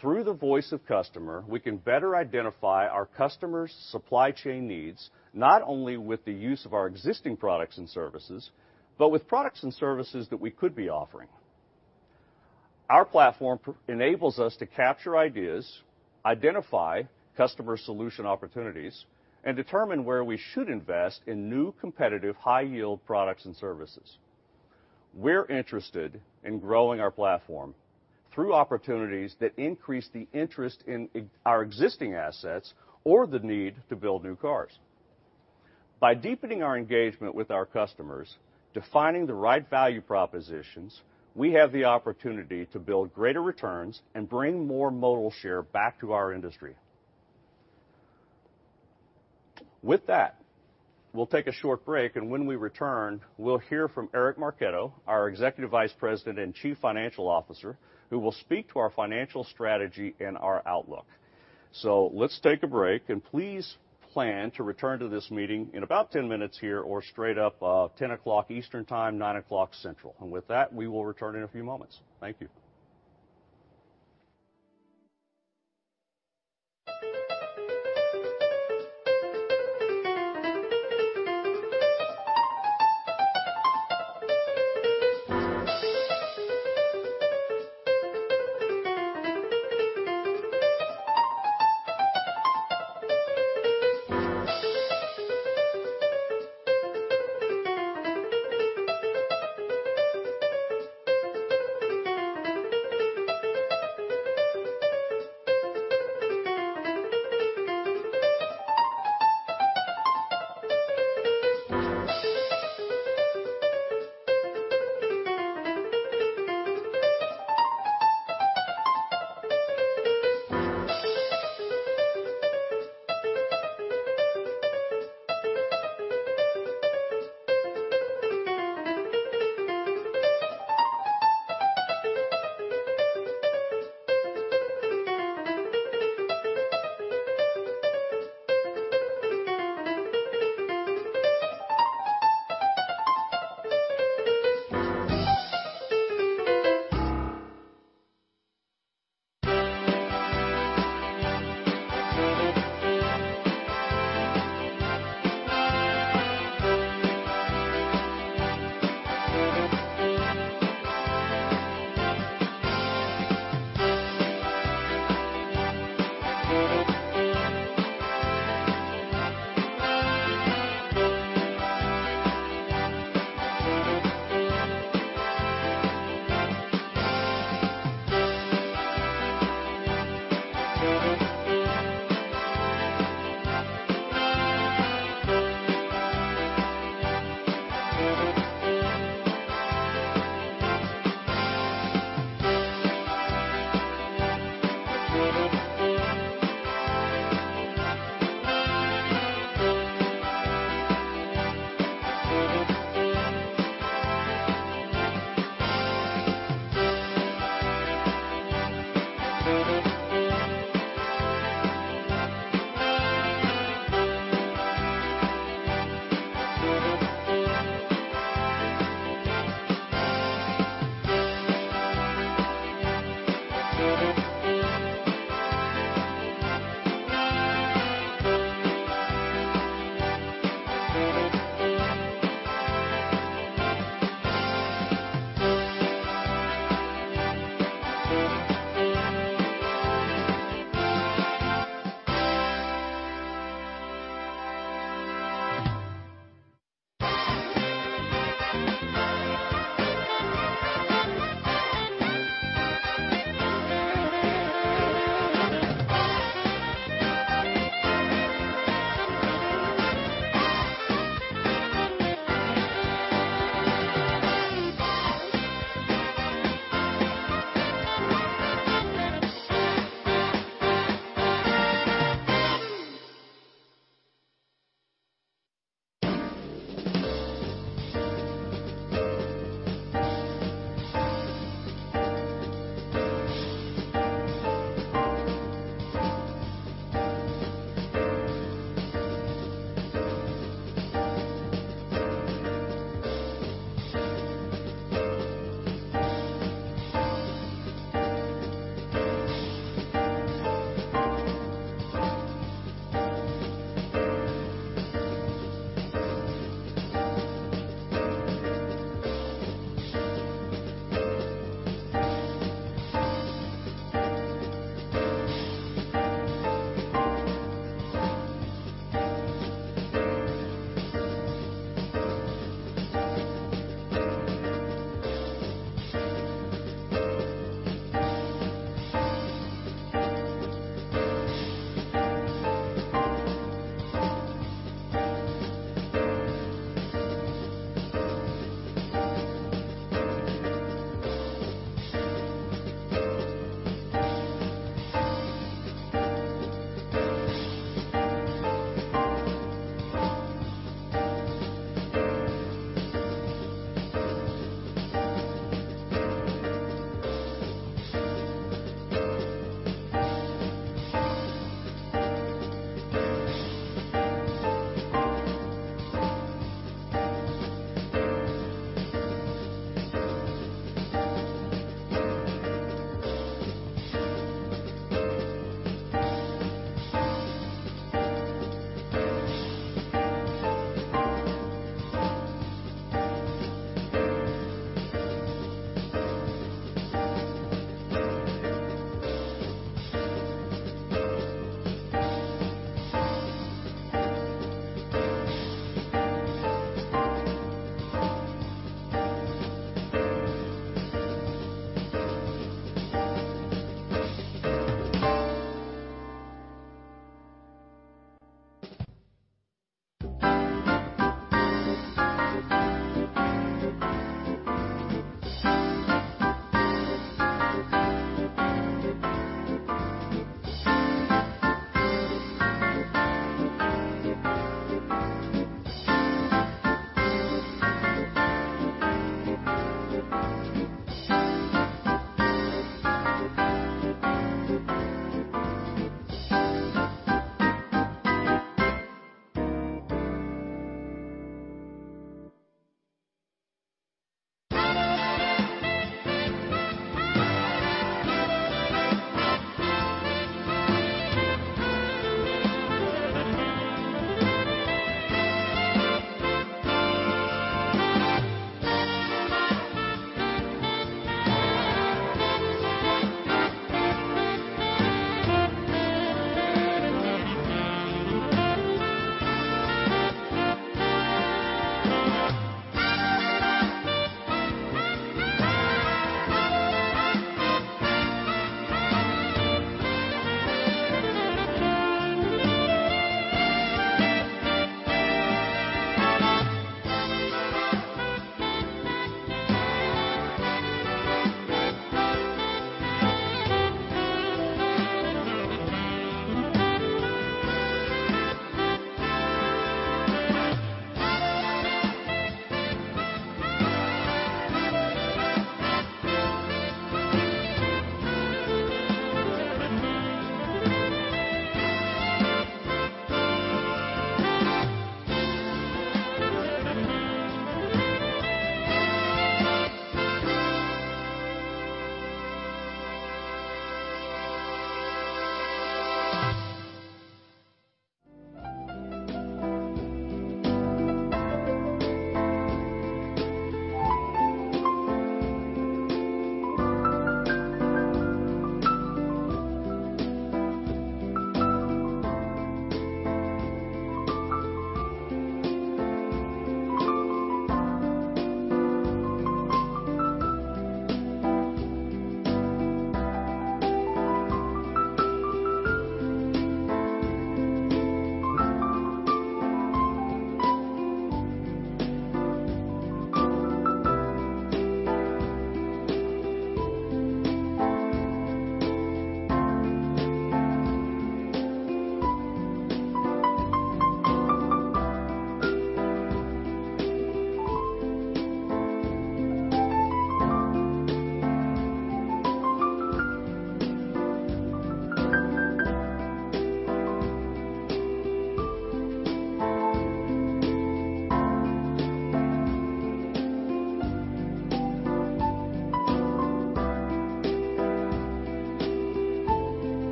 Through the voice of customer, we can better identify our customers' supply chain needs, not only with the use of our existing products and services, but with products and services that we could be offering. Our platform enables us to capture ideas, identify customer solution opportunities, and determine where we should invest in new competitive high-yield products and services. We're interested in growing our platform through opportunities that increase the interest in our existing assets or the need to build new cars. By deepening our engagement with our customers, defining the right value propositions, we have the opportunity to build greater returns and bring more modal share back to our industry. We'll take a short break, and when we return, we'll hear from Eric R. Marchetto, our Executive Vice President and Chief Financial Officer, who will speak to our financial strategy and our outlook. Let's take a break, and please plan to return to this meeting in about 10 minutes here or straight up, 10:00 Eastern Time, 9:00 Central. We will return in a few moments. Thank you.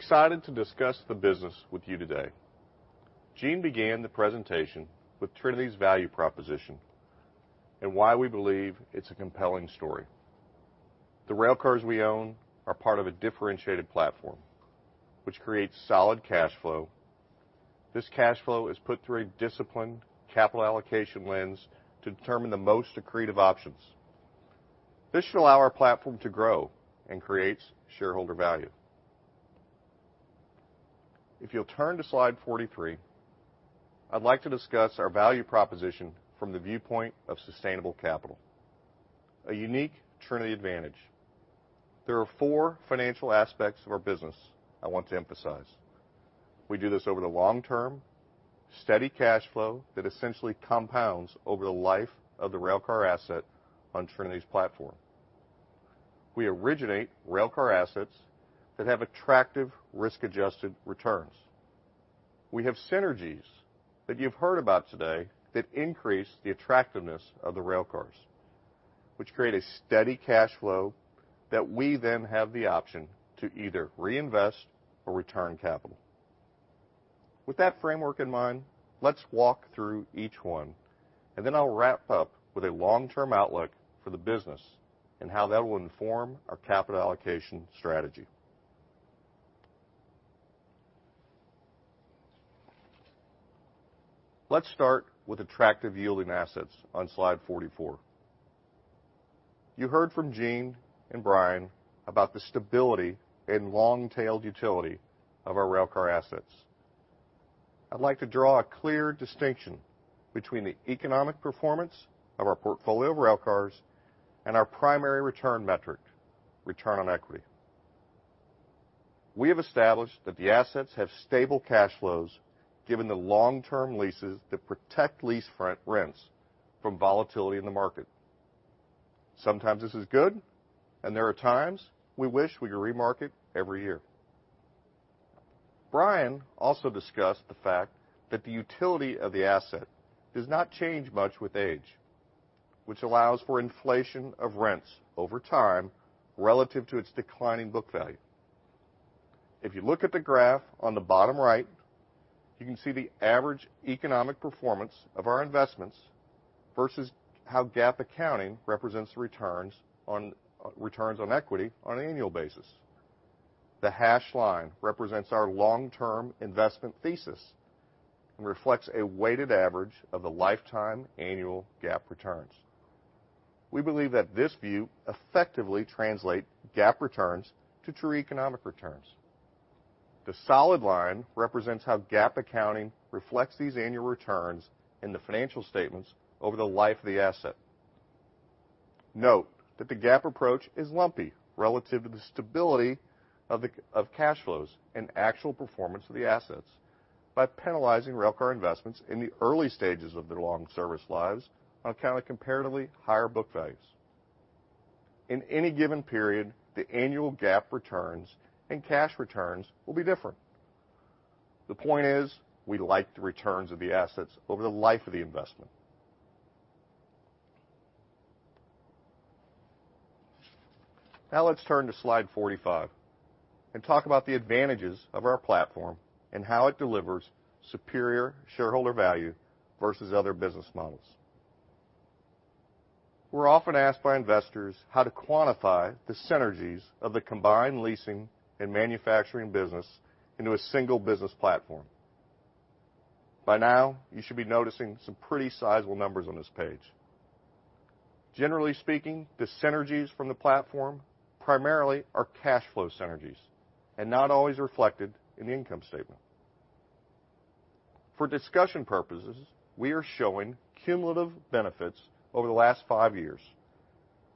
I'm excited to discuss the business with you today. Jean began the presentation with Trinity's value proposition and why we believe it's a compelling story. The railcars we own are part of a differentiated platform, which creates solid cash flow. This cash flow is put through a disciplined capital allocation lens to determine the most accretive options. This should allow our platform to grow and creates shareholder value. If you'll turn to slide 43, I'd like to discuss our value proposition from the viewpoint of sustainable capital, a unique Trinity advantage. There are four financial aspects of our business I want to emphasize. We do this over the long term, steady cash flow that essentially compounds over the life of the railcar asset on Trinity's platform. We originate railcar assets that have attractive risk-adjusted returns. We have synergies that you've heard about today that increase the attractiveness of the railcars. Which create a steady cash flow that we then have the option to either reinvest or return capital. With that framework in mind, let's walk through each one, and then I'll wrap up with a long-term outlook for the business and how that will inform our capital allocation strategy. Let's start with attractive yielding assets on slide 44. You heard from Jean and Brian D. Madison about the stability and long-tailed utility of our railcar assets. I'd like to draw a clear distinction between the economic performance of our portfolio of railcars and our primary return metric, return on equity. We have established that the assets have stable cash flows given the long-term leases that protect lease front rents from volatility in the market. Sometimes this is good, and there are times we wish we could remarket every year. Brian also discussed the fact that the utility of the asset does not change much with age, which allows for inflation of rents over time relative to its declining book value. If you look at the graph on the bottom right, you can see the average economic performance of our investments versus how GAAP accounting represents returns on equity on an annual basis. The hashed line represents our long-term investment thesis and reflects a weighted average of the lifetime annual GAAP returns. We believe that this view effectively translate GAAP returns to true economic returns. The solid line represents how GAAP accounting reflects these annual returns in the financial statements over the life of the asset. Note that the GAAP approach is lumpy relative to the stability of cash flows and actual performance of the assets by penalizing railcar investments in the early stages of their long service lives on account of comparatively higher book values. In any given period, the annual GAAP returns and cash returns will be different. The point is we like the returns of the assets over the life of the investment. Let's turn to slide 45 and talk about the advantages of our platform and how it delivers superior shareholder value versus other business models. We're often asked by investors how to quantify the synergies of the combined leasing and manufacturing business into a single business platform. By now, you should be noticing some pretty sizable numbers on this page. Generally speaking, the synergies from the platform primarily are cash flow synergies and not always reflected in the income statement. For discussion purposes, we are showing cumulative benefits over the last five years,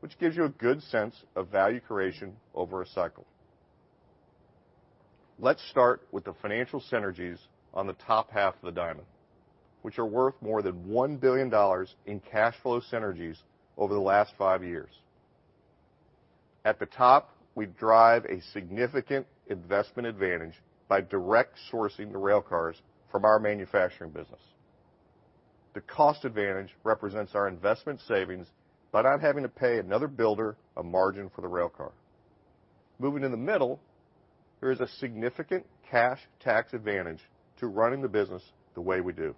which gives you a good sense of value creation over a cycle. Let's start with the financial synergies on the top half of the diamond, which are worth more than $1 billion in cash flow synergies over the last five years. At the top, we drive a significant investment advantage by direct sourcing the railcars from our manufacturing business. The cost advantage represents our investment savings by not having to pay another builder a margin for the railcar. Moving in the middle, there is a significant cash tax advantage to running the business the way we do.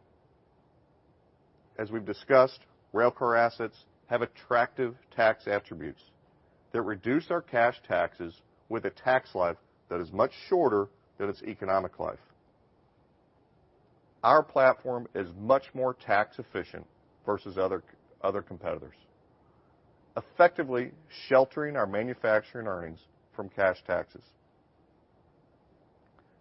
As we've discussed, railcar assets have attractive tax attributes that reduce our cash taxes with a tax life that is much shorter than its economic life. Our platform is much more tax efficient versus other competitors, effectively sheltering our manufacturing earnings from cash taxes.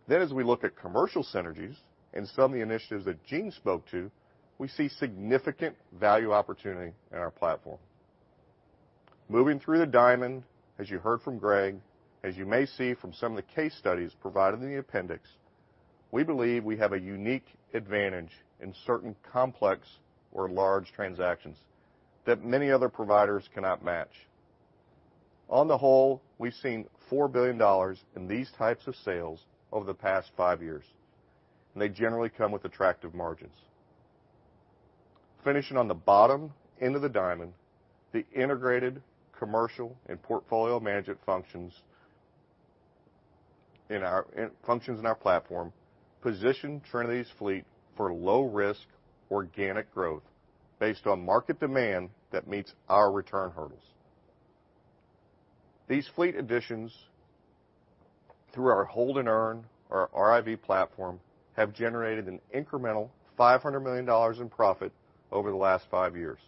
As we look at commercial synergies and some of the initiatives that Jean spoke to, we see significant value opportunity in our platform. Moving through the diamond, as you heard from Gregg, as you may see from some of the case studies provided in the appendix, we believe we have a unique advantage in certain complex or large transactions that many other providers cannot match. On the whole, we've seen $4 billion in these types of sales over the past five years, and they generally come with attractive margins. Finishing on the bottom end of the diamond, the integrated commercial and portfolio management functions in our platform position Trinity's fleet for low risk, organic growth based on market demand that meets our return hurdles. These fleet additions through our hold and earn or our RIV platform have generated an incremental $500 million in profit over the last five years.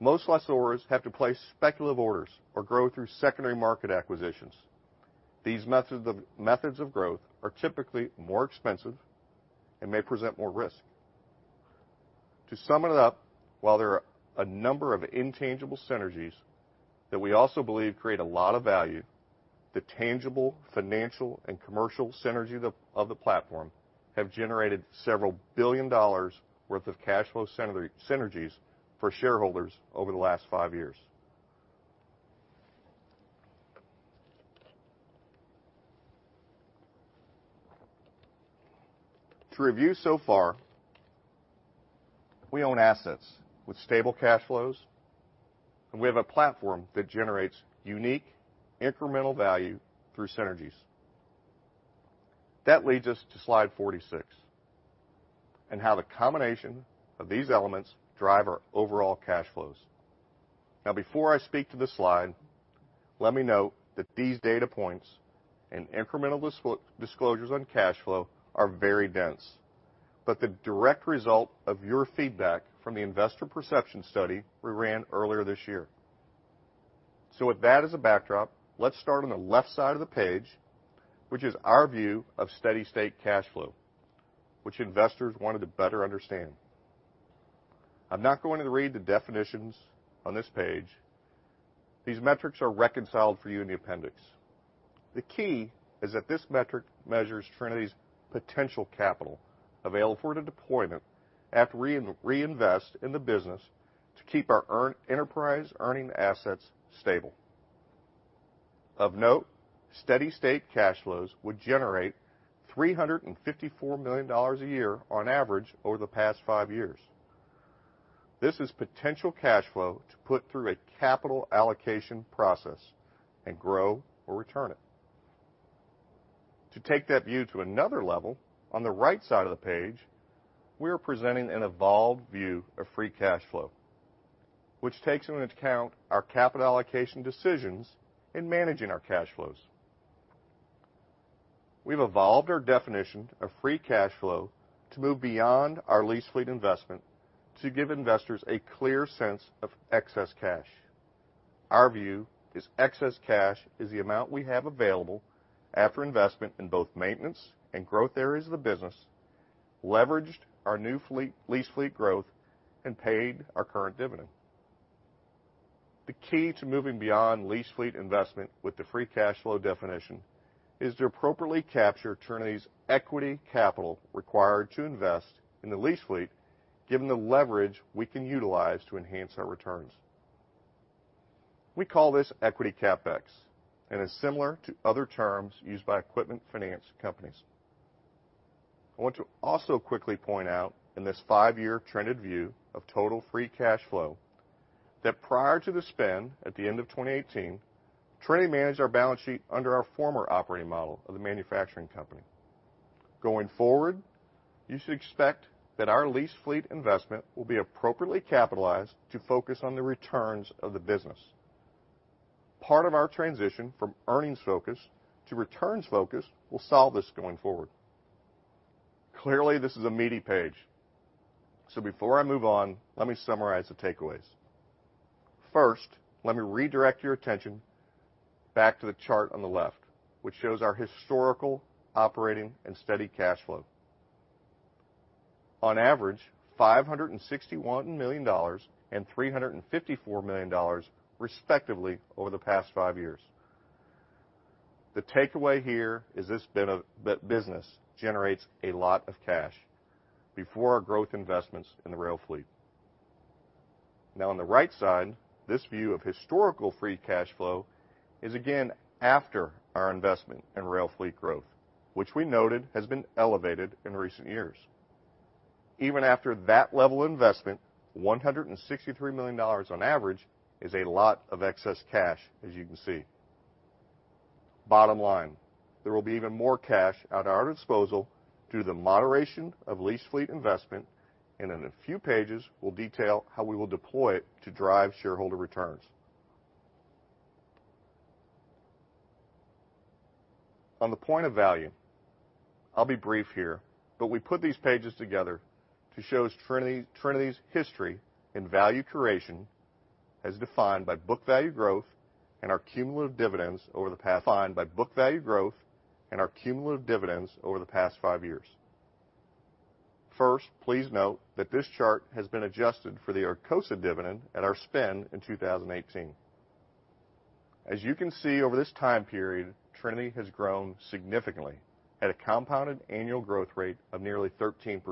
Most lessors have to place speculative orders or grow through secondary market acquisitions. These methods of growth are typically more expensive and may present more risk. To sum it up, while there are a number of intangible synergies that we also believe create a lot of value, the tangible financial and commercial synergies of the platform have generated several billion dollars worth of cash flow synergies for shareholders over the last five years. To review so far, we own assets with stable cash flows, and we have a platform that generates unique incremental value through synergies. That leads us to slide 46 and how the combination of these elements drive our overall cash flows. Now, before I speak to this slide, let me note that these data points and incremental disclosures on cash flow are very dense, but the direct result of your feedback from the investor perception study we ran earlier this year. With that as a backdrop, let's start on the left side of the page, which is our view of steady-state cash flow, which investors wanted to better understand. I'm not going to read the definitions on this page. These metrics are reconciled for you in the appendix. The key is that this metric measures Trinity's potential capital available for deployment after we reinvest in the business to keep our enterprise earning assets stable. Of note, steady-state cash flows would generate $354 million a year on average over the past five years. This is potential cash flow to put through a capital allocation process and grow or return it. To take that view to another level, on the right side of the page, we are presenting an evolved view of free cash flow, which takes into account our capital allocation decisions in managing our cash flows. We've evolved our definition of free cash flow to move beyond our lease fleet investment to give investors a clear sense of excess cash. Our view is excess cash is the amount we have available after investment in both maintenance and growth areas of the business, leveraged our new lease fleet growth, and paid our current dividend. The key to moving beyond lease fleet investment with the free cash flow definition is to appropriately capture Trinity's equity capital required to invest in the lease fleet, given the leverage we can utilize to enhance our returns. We call this equity CapEx and is similar to other terms used by equipment finance companies. I want to also quickly point out in this 5-year trended view of total free cash flow that prior to the spend at the end of 2018, Trinity managed our balance sheet under our former operating model of the manufacturing company. Going forward, you should expect that our lease fleet investment will be appropriately capitalized to focus on the returns of the business. Part of our transition from earnings focus to returns focus will solve this going forward. Clearly, this is a meaty page. Before I move on, let me summarize the takeaways. First, let me redirect your attention back to the chart on the left, which shows our historical operating and steady cash flow. On average, $561 million and $354 million respectively over the past five years. The takeaway here is this business generates a lot of cash before our growth investments in the rail fleet. On the right side, this view of historical free cash flow is again after our investment in rail fleet growth, which we noted has been elevated in recent years. Even after that level investment, $163 million on average is a lot of excess cash, as you can see. Bottom line, there will be even more cash at our disposal due to the moderation of lease fleet investment, and in a few pages, we'll detail how we will deploy it to drive shareholder returns. On the point of value, I'll be brief here, but we put these pages together to show Trinity's history and value creation as defined by book value growth and our cumulative dividends over the past five years. First, please note that this chart has been adjusted for the Arcosa dividend at our spin in 2018. As you can see over this time period, Trinity has grown significantly at a compounded annual growth rate of nearly 13%.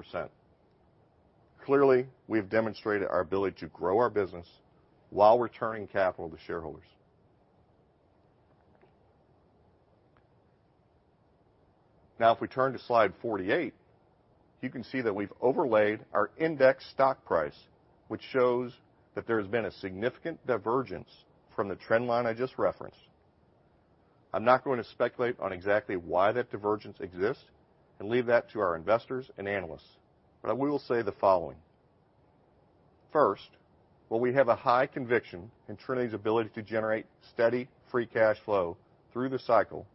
Clearly, we have demonstrated our ability to grow our business while returning capital to shareholders. Now if we turn to slide 48, you can see that we've overlaid our index stock price, which shows that there has been a significant divergence from the trend line I just referenced. I'm not going to speculate on exactly why that divergence exists and leave that to our investors and analysts. I will say the following. First, while we have a high conviction in Trinity's ability to generate steady free cash flow through the cycle,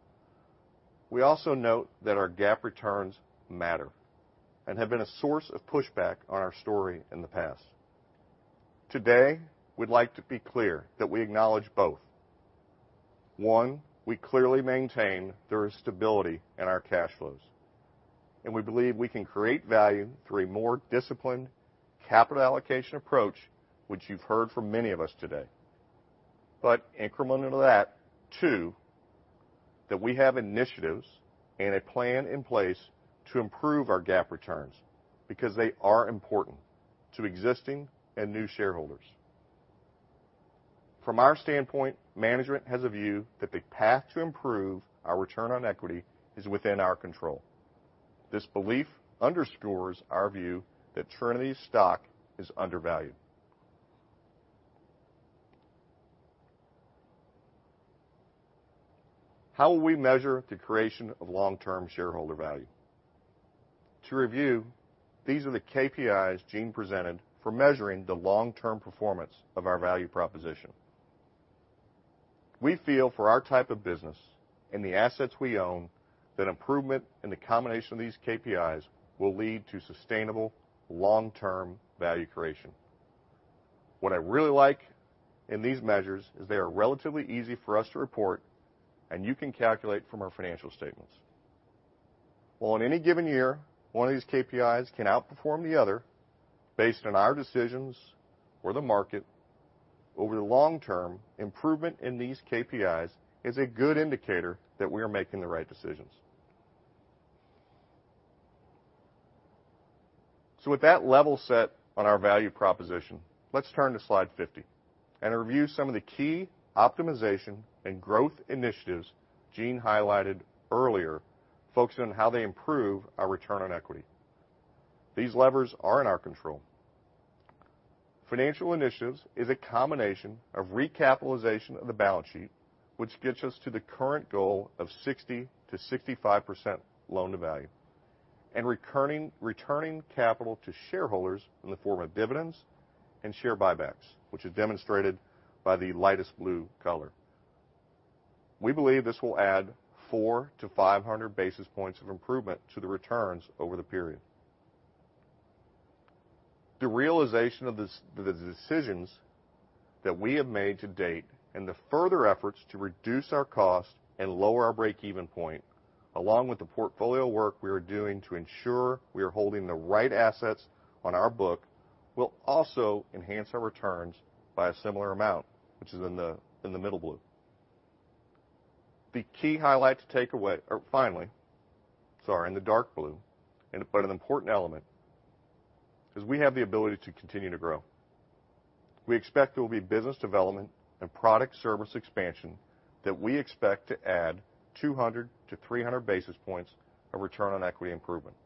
we also note that our GAAP returns matter and have been a source of pushback on our story in the past. Today, we'd like to be clear that we acknowledge both. One, we clearly maintain there is stability in our cash flows, and we believe we can create value through a more disciplined capital allocation approach, which you've heard from many of us today. Incremental to that, 2, that we have initiatives and a plan in place to improve our GAAP returns because they are important to existing and new shareholders. From our standpoint, management has a view that the path to improve our return on equity is within our control. This belief underscores our view that Trinity's stock is undervalued. How will we measure the creation of long-term shareholder value? To review, these are the KPIs Jean Savage presented for measuring the long-term performance of our value proposition. We feel for our type of business and the assets we own that improvement in the combination of these KPIs will lead to sustainable long-term value creation. What I really like in these measures is they are relatively easy for us to report, and you can calculate from our financial statements. While in any given year, one of these KPIs can outperform the other based on our decisions or the market, over the long term, improvement in these KPIs is a good indicator that we are making the right decisions. With that level set on our value proposition, let's turn to slide 50 and review some of the key optimization and growth initiatives Jean highlighted earlier, focusing on how they improve our return on equity. These levers are in our control. Financial initiatives is a combination of recapitalization of the balance sheet, which gets us to the current goal of 60%-65% loan-to-value, returning capital to shareholders in the form of dividends and share buybacks, which is demonstrated by the lightest blue color. We believe this will add 400-500 basis points of improvement to the returns over the period. The realization of this, the decisions that we have made to date and the further efforts to reduce our cost and lower our break-even point, along with the portfolio work we are doing to ensure we are holding the right assets on our book, will also enhance our returns by a similar amount, which is in the, in the middle blue. The key highlight to take away. In the dark blue, an important element is we have the ability to continue to grow. We expect there will be business development and product service expansion that we expect to add 200 to 300 basis points of return on equity improvement.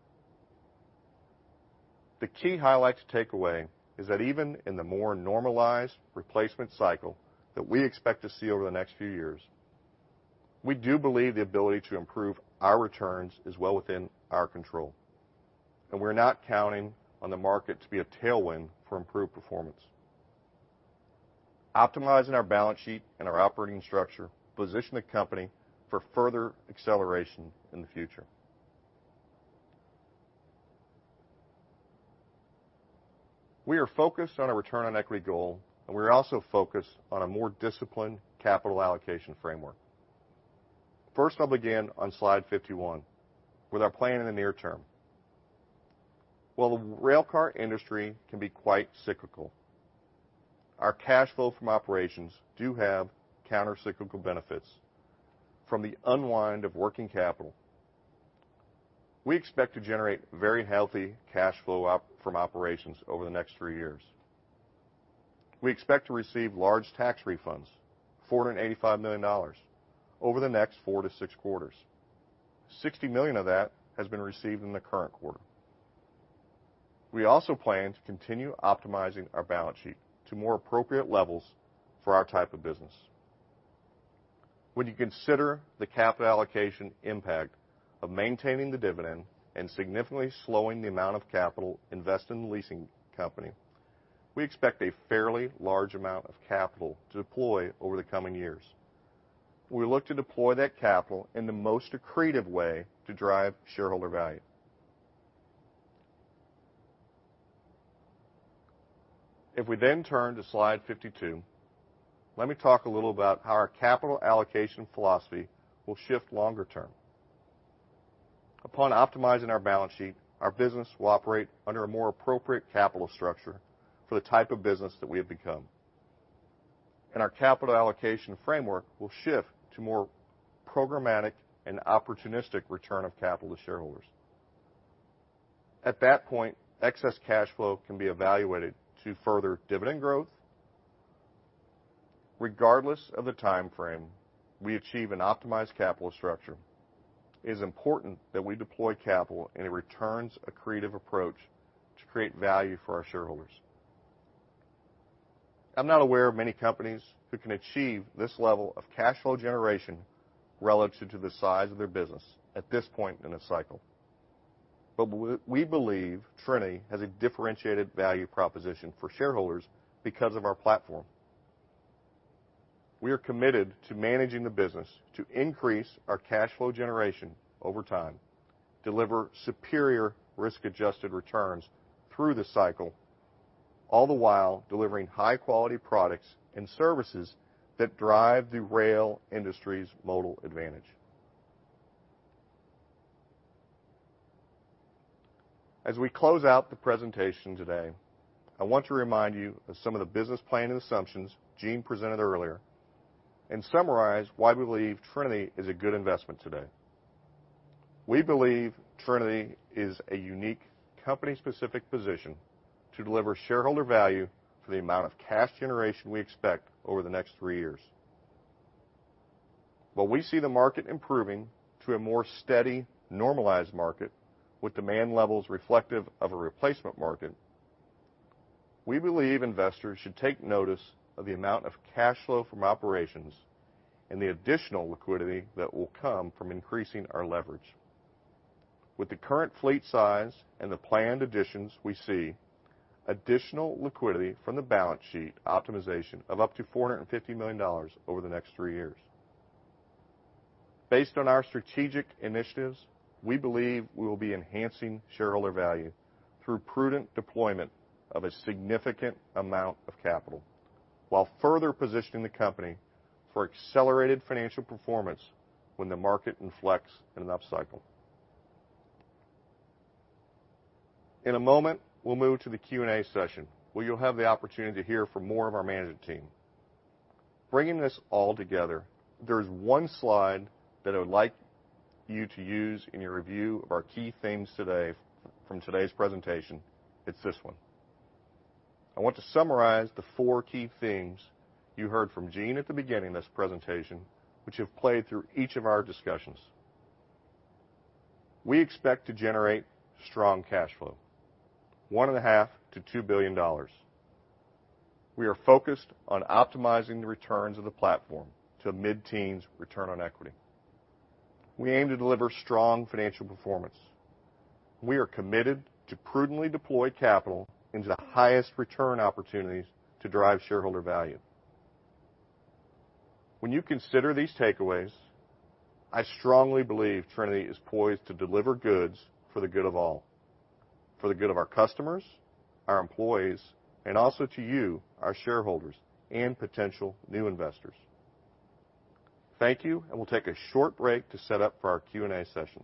The key highlight to take away is that even in the more normalized replacement cycle that we expect to see over the next few years, we do believe the ability to improve our returns is well within our control, and we're not counting on the market to be a tailwind for improved performance. Optimizing our balance sheet and our operating structure position the company for further acceleration in the future. We are focused on a return on equity goal, and we are also focused on a more disciplined capital allocation framework. First, I'll begin on slide 51 with our plan in the near term. While the railcar industry can be quite cyclical, our cash flow from operations do have counter-cyclical benefits from the unwind of working capital. We expect to generate very healthy cash flow from operations over the next three years. We expect to receive large tax refunds, $485 million, over the next four to six quarters. $60 million of that has been received in the current quarter. We also plan to continue optimizing our balance sheet to more appropriate levels for our type of business. When you consider the capital allocation impact of maintaining the dividend and significantly slowing the amount of capital invested in the leasing company, we expect a fairly large amount of capital to deploy over the coming years. We look to deploy that capital in the most accretive way to drive shareholder value. If we then turn to slide 52, let me talk a little about how our capital allocation philosophy will shift longer term. Upon optimizing our balance sheet, our business will operate under a more appropriate capital structure for the type of business that we have become. Our capital allocation framework will shift to more programmatic and opportunistic return of capital to shareholders. At that point, excess cash flow can be evaluated to further dividend growth. Regardless of the timeframe we achieve an optimized capital structure, it is important that we deploy capital in a returns-accretive approach to create value for our shareholders. I'm not aware of many companies who can achieve this level of cash flow generation relative to the size of their business at this point in a cycle. We believe Trinity has a differentiated value proposition for shareholders because of our platform. We are committed to managing the business to increase our cash flow generation over time, deliver superior risk-adjusted returns through the cycle, all the while delivering high-quality products and services that drive the rail industry's modal advantage. As we close out the presentation today, I want to remind you of some of the business planning assumptions Jean presented earlier and summarize why we believe Trinity is a good investment today. We believe Trinity is a unique company-specific position to deliver shareholder value for the amount of cash generation we expect over the next three years. While we see the market improving to a more steady, normalized market with demand levels reflective of a replacement market, we believe investors should take notice of the amount of cash flow from operations and the additional liquidity that will come from increasing our leverage. With the current fleet size and the planned additions we see, additional liquidity from the balance sheet optimization of up to $450 million over the next three years. Based on our strategic initiatives, we believe we will be enhancing shareholder value through prudent deployment of a significant amount of capital while further positioning the company for accelerated financial performance when the market inflects in an upcycle. In a moment, we'll move to the Q&A session, where you'll have the opportunity to hear from more of our management team. Bringing this all together, there is one slide that I would like you to use in your review of our key themes today from today's presentation. It's this one. I want to summarize the four key themes you heard from Jean at the beginning of this presentation, which have played through each of our discussions. We expect to generate strong cash flow, one and a half to $2 billion. We are focused on optimizing the returns of the platform to a mid-teens return on equity. We aim to deliver strong financial performance. We are committed to prudently deploy capital into the highest return opportunities to drive shareholder value. When you consider these takeaways, I strongly believe Trinity is poised to deliver goods for the good of all, for the good of our customers, our employees, and also to you, our shareholders, and potential new investors. Thank you, and we'll take a short break to set up for our Q&A session.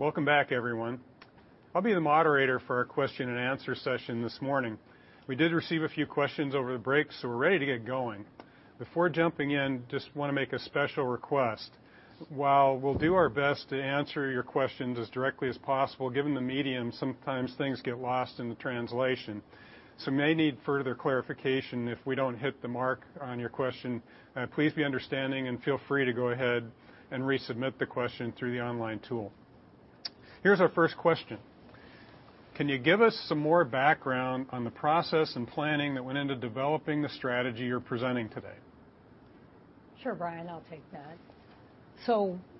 Welcome back, everyone. I'll be the moderator for our question and answer session this morning. We did receive a few questions over the break, so we're ready to get going. Before jumping in, just wanna make a special request. While we'll do our best to answer your questions as directly as possible, given the medium, sometimes things get lost in the translation, so may need further clarification if we don't hit the mark on your question. Please be understanding and feel free to go ahead and resubmit the question through the online tool. Here's our first question. Can you give us some more background on the process and planning that went into developing the strategy you're presenting today? Sure. Brian, I'll take that.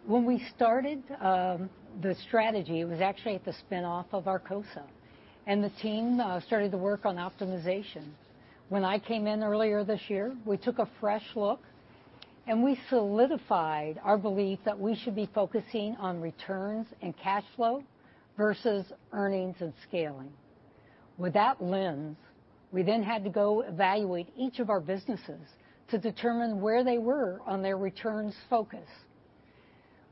When we started the strategy, it was actually at the spin-off of Arcosa, and the team started the work on optimization. When I came in earlier this year, we took a fresh look. We solidified our belief that we should be focusing on returns and cash flow versus earnings and scaling. With that lens, we had to go evaluate each of our businesses to determine where they were on their returns focus.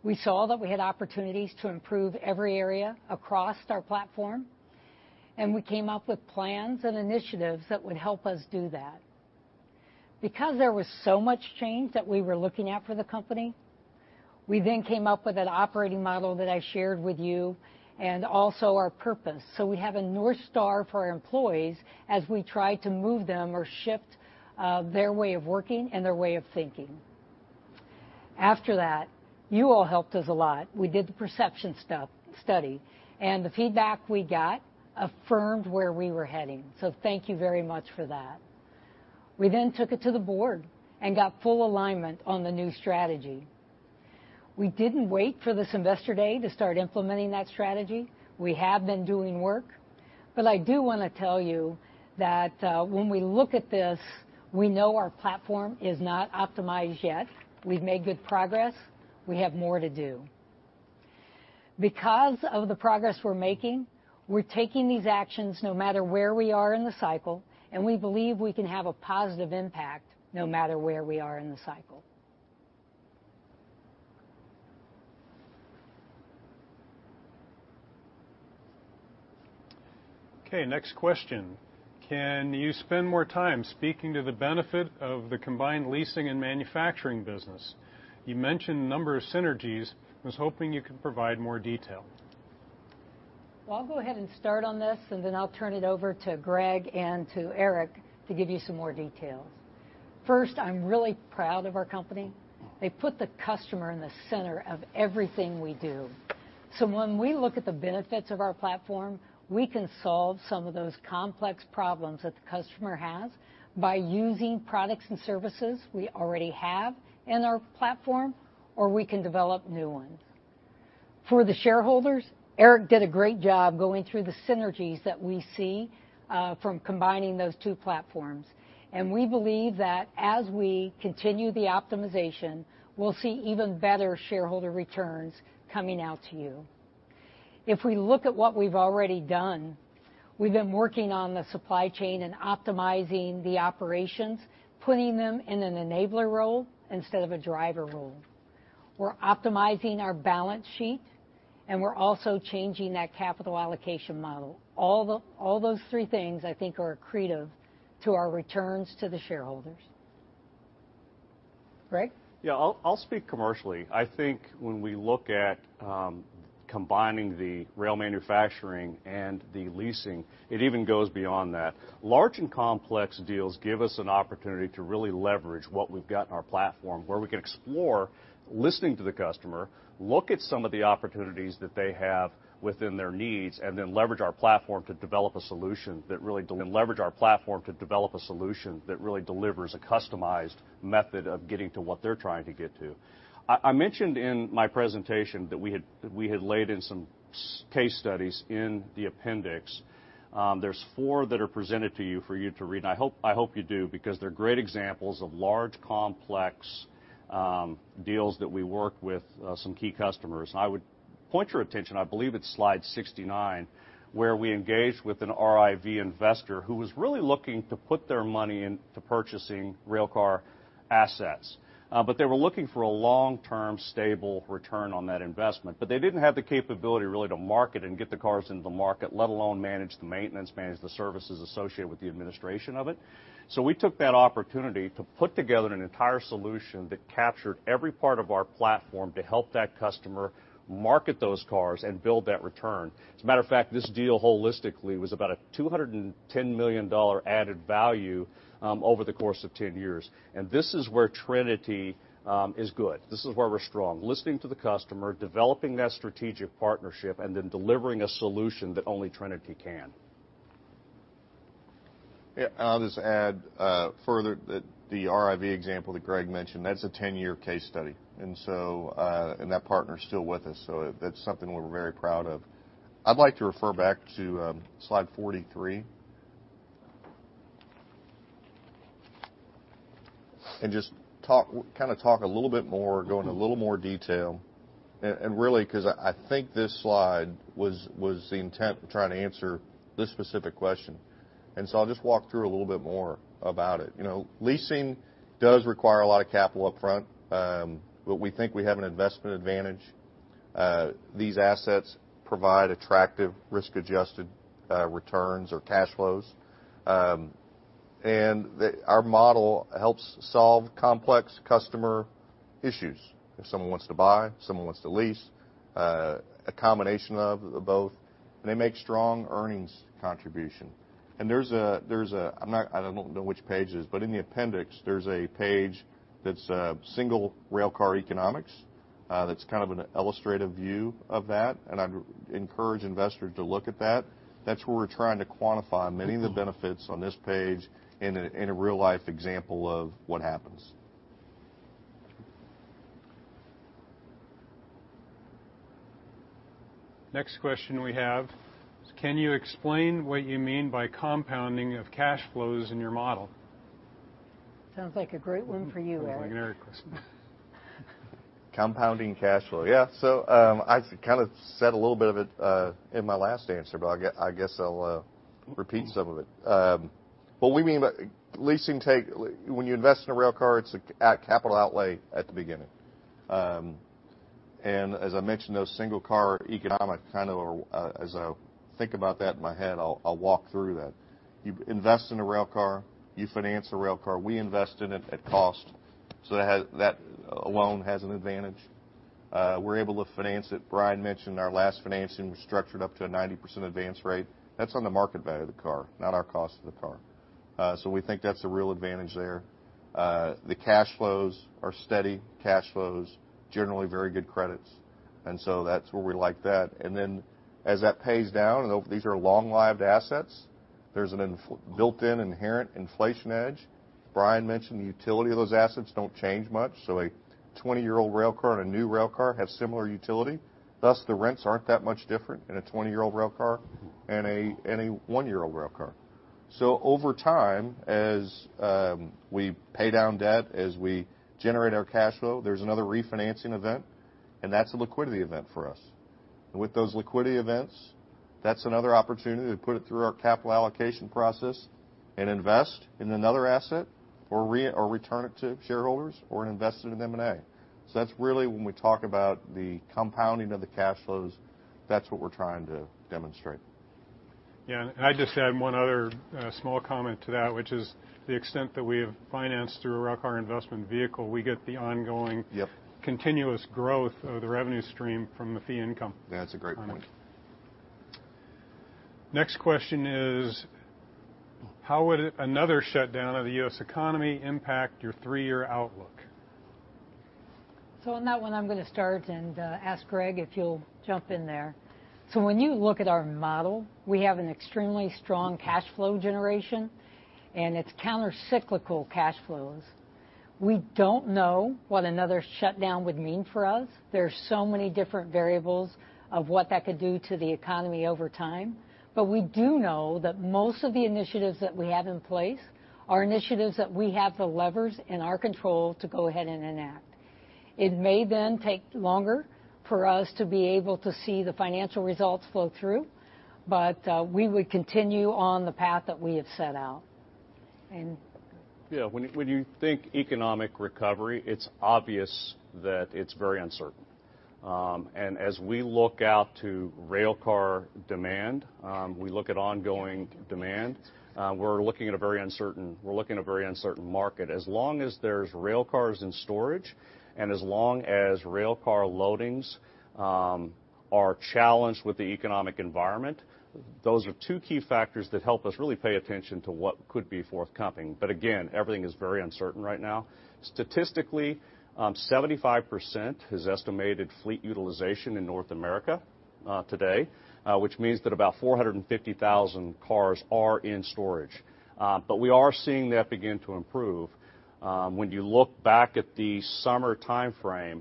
We saw that we had opportunities to improve every area across our platform. We came up with plans and initiatives that would help us do that. Because there was so much change that we were looking at for the company, we came up with an operating model that I shared with you and also our purpose. We have a North Star for our employees as we try to move them or shift their way of working and their way of thinking. After that, you all helped us a lot. We did the perception study, and the feedback we got affirmed where we were heading. Thank you very much for that. We took it to the board and got full alignment on the new strategy. We didn't wait for this Investor Day to start implementing that strategy. We have been doing work. I do wanna tell you that when we look at this, we know our platform is not optimized yet. We've made good progress. We have more to do. Because of the progress we're making, we're taking these actions no matter where we are in the cycle, and we believe we can have a positive impact no matter where we are in the cycle. Okay, next question. Can you spend more time speaking to the benefit of the combined leasing and manufacturing business? You mentioned a number of synergies. Was hoping you could provide more detail. Well, I'll go ahead and start on this, and then I'll turn it over to Gregg Mitchell and to Eric R. Marchetto to give you some more details. I'm really proud of our company. They put the customer in the center of everything we do. When we look at the benefits of our platform, we can solve some of those complex problems that the customer has by using products and services we already have in our platform, or we can develop new ones. For the shareholders, Eric R. Marchetto did a great job going through the synergies that we see from combining those two platforms, and we believe that as we continue the optimization, we'll see even better shareholder returns coming out to you. If we look at what we've already done, we've been working on the supply chain and optimizing the operations, putting them in an enabler role instead of a driver role. We're optimizing our balance sheet, and we're also changing that capital allocation model. All those three things I think are accretive to our returns to the shareholders. Yeah, I'll speak commercially. I think when we look at combining the rail manufacturing and the leasing, it even goes beyond that. Large and complex deals give us an opportunity to really leverage what we've got in our platform, where we can explore listening to the customer, look at some of the opportunities that they have within their needs, and then leverage our platform to develop a solution that really delivers a customized method of getting to what they're trying to get to. I mentioned in my presentation that we had laid in some case studies in the appendix. There's four that are presented to you for you to read, and I hope, I hope you do because they're great examples of large, complex deals that we worked with some key customers. I would point your attention, I believe it's slide 69, where we engaged with an RIV investor who was really looking to put their money into purchasing railcar assets. They were looking for a long-term, stable return on that investment. They didn't have the capability really to market and get the cars into the market, let alone manage the maintenance, manage the services associated with the administration of it. We took that opportunity to put together an entire solution that captured every part of our platform to help that customer market those cars and build that return. As a matter of fact, this deal holistically was about a $210 million added value over the course of 10 years. This is where Trinity is good. This is where we're strong. Listening to the customer, developing that strategic partnership, and then delivering a solution that only Trinity can. Yeah, I'll just add further that the RIV example that Gregg mentioned, that's a 10-year case study. That partner's still with us, so that's something we're very proud of. I'd like to refer back to slide 43. Just talk a little bit more, go into a little more detail. Really 'cause I think this slide was the intent trying to answer this specific question. I'll just walk through a little bit more about it. You know, leasing does require a lot of capital up front. We think we have an investment advantage. These assets provide attractive risk-adjusted returns or cash flows. Our model helps solve complex customer issues. If someone wants to buy, someone wants to lease, a combination of both. They make strong earnings contribution. There's a, I'm not, I don't know which page it is, but in the appendix, there's a page that's single railcar economics, that's kind of an illustrative view of that, and I'd encourage investors to look at that. That's where we're trying to quantify many of the benefits on this page in a real-life example of what happens. Next question we have is, Can you explain what you mean by compounding of cash flows in your model? Sounds like a great one for you, Eric. That was like an Eric question. Compounding cash flow. Yeah, I kind of said a little bit of it in my last answer, but I guess I'll repeat some of it. What we mean by leasing take, when you invest in a railcar, it's a capital outlay at the beginning. As I mentioned, those single car economic kind of, as I think about that in my head, I'll walk through that. You invest in a railcar, you finance the railcar. We invest in it at cost, so that alone has an advantage. We're able to finance it. Brian mentioned our last financing was structured up to a 90% advance rate. That's on the market value of the car, not our cost of the car. We think that's a real advantage there. The cash flows are steady cash flows, generally very good credits, that's where we like that. As that pays down, and these are long-lived assets, there's a built-in inherent inflation hedge. Brian mentioned the utility of those assets don't change much, a 20-year-old railcar and a new railcar have similar utility, thus the rents aren't that much different in a 20-year-old railcar and a, and a 1-year-old railcar. Over time, as we pay down debt, as we generate our cash flow, there's another refinancing event, that's a liquidity event for us. With those liquidity events, that's another opportunity to put it through our capital allocation process and invest in another asset or return it to shareholders or invest it in M&A. That's really when we talk about the compounding of the cash flows, that's what we're trying to demonstrate. Yeah, I'd just add one other, small comment to that, which is the extent that we have financed through a railcar investment vehicle, we get the ongoing- Yep continuous growth of the revenue stream from the fee income. That's a great point. Next question is, «How would another shutdown of the U.S. economy impact your three-year outlook?» On that one, I'm gonna start and ask Gregg if you'll jump in there. When you look at our model, we have an extremely strong cash flow generation, and it's countercyclical cash flows. We don't know what another shutdown would mean for us. There are so many different variables of what that could do to the economy over time. We do know that most of the initiatives that we have in place are initiatives that we have the levers in our control to go ahead and enact. It may then take longer for us to be able to see the financial results flow through, but we would continue on the path that we have set out. When you think economic recovery, it's obvious that it's very uncertain. As we look out to railcar demand, we look at ongoing demand, we're looking at a very uncertain market. As long as there's railcars in storage, and as long as railcar loadings are challenged with the economic environment, those are two key factors that help us really pay attention to what could be forthcoming. Again, everything is very uncertain right now. Statistically, 75% is estimated fleet utilization in North America today, which means that about 450,000 cars are in storage. We are seeing that begin to improve. When you look back at the summer timeframe,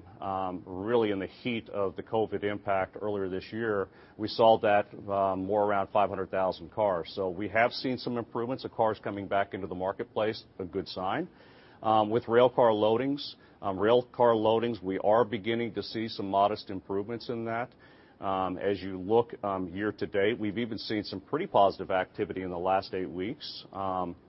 really in the heat of the COVID impact earlier this year, we saw that more around 500,000 cars. We have seen some improvements of cars coming back into the marketplace, a good sign. With railcar loadings, we are beginning to see some modest improvements in that. As you look year to date, we've even seen some pretty positive activity in the last eight weeks,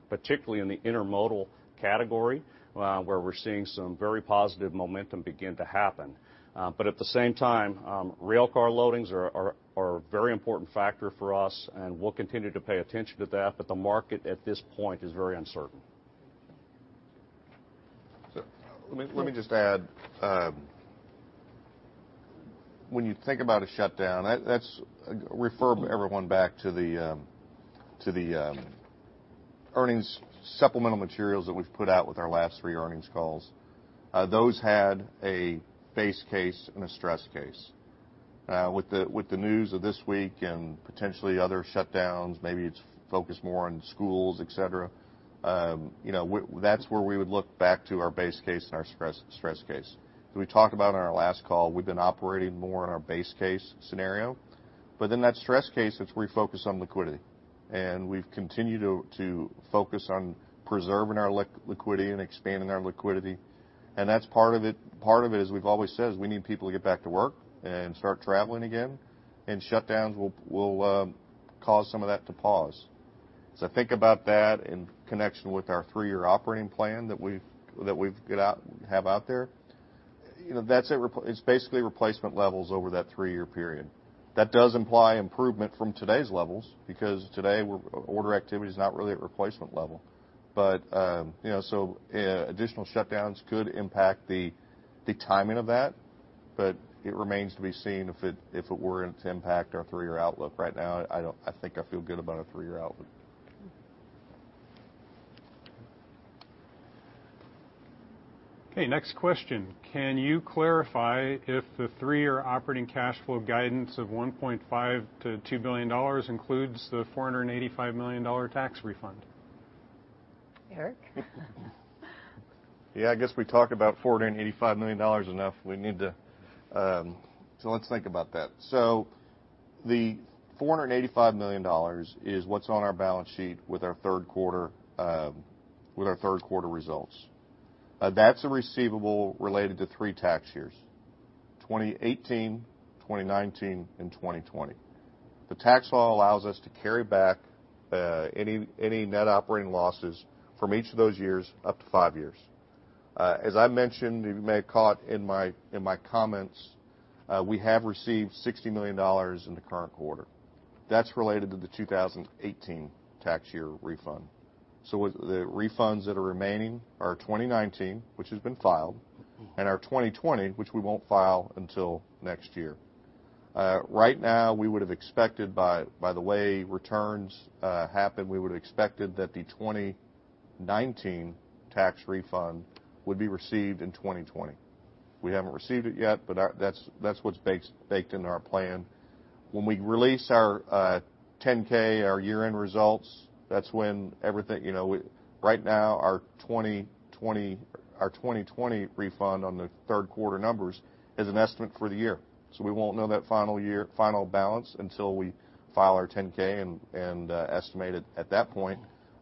particularly in the intermodal category, where we're seeing some very positive momentum begin to happen. At the same time, railcar loadings are a very important factor for us, and we'll continue to pay attention to that, but the market at this point is very uncertain. Let me just add, when you think about a shutdown, refer everyone back to the earnings supplemental materials that we've put out with our last three earnings calls. Those had a base case and a stress case. With the news of this week and potentially other shutdowns, maybe it's focused more on schools, et cetera, you know, that's where we would look back to our base case and our stress case. As we talked about in our last call, we've been operating more on our base case scenario. In that stress case, it's refocused on liquidity, and we've continued to focus on preserving our liquidity and expanding our liquidity. That's part of it, as we've always said, is we need people to get back to work and start traveling again, and shutdowns will cause some of that to pause. Think about that in connection with our 3-year operating plan that we've have out there. That's basically replacement levels over that 3-year period. That does imply improvement from today's levels because today we're, order activity is not really at replacement level. additional shutdowns could impact the timing of that, but it remains to be seen if it were to impact our 3-year outlook. Right now, I think I feel good about our 3-year outlook. Okay, next question. Can you clarify if the three-year operating cash flow guidance of $1.5 billion-$2 billion includes the $485 million tax refund? Eric? Yeah, I guess we talked about $485 million enough. We need to, let's think about that. The $485 million is what's on our balance sheet with our third quarter, with our third quarter results. That's a receivable related to three tax years: 2018, 2019 and 2020. The tax law allows us to carry back any net operating losses from each of those years up to five years. As I mentioned, you may have caught in my comments, we have received $60 million in the current quarter. That's related to the 2018 tax year refund. The refunds that are remaining are 2019, which has been filed, and our 2020, which we won't file until next year. Right now, we would have expected by the way returns happen, we would have expected that the 2019 tax refund would be received in 2020. We haven't received it yet, but our, that's what's baked into our plan. When we release our 10-K, our year-end results, that's when everything, you know, Right now, our 2020, our 2020 refund on the third quarter numbers is an estimate for the year. We won't know that final year, final balance until we file our 10-K and estimate it at that point.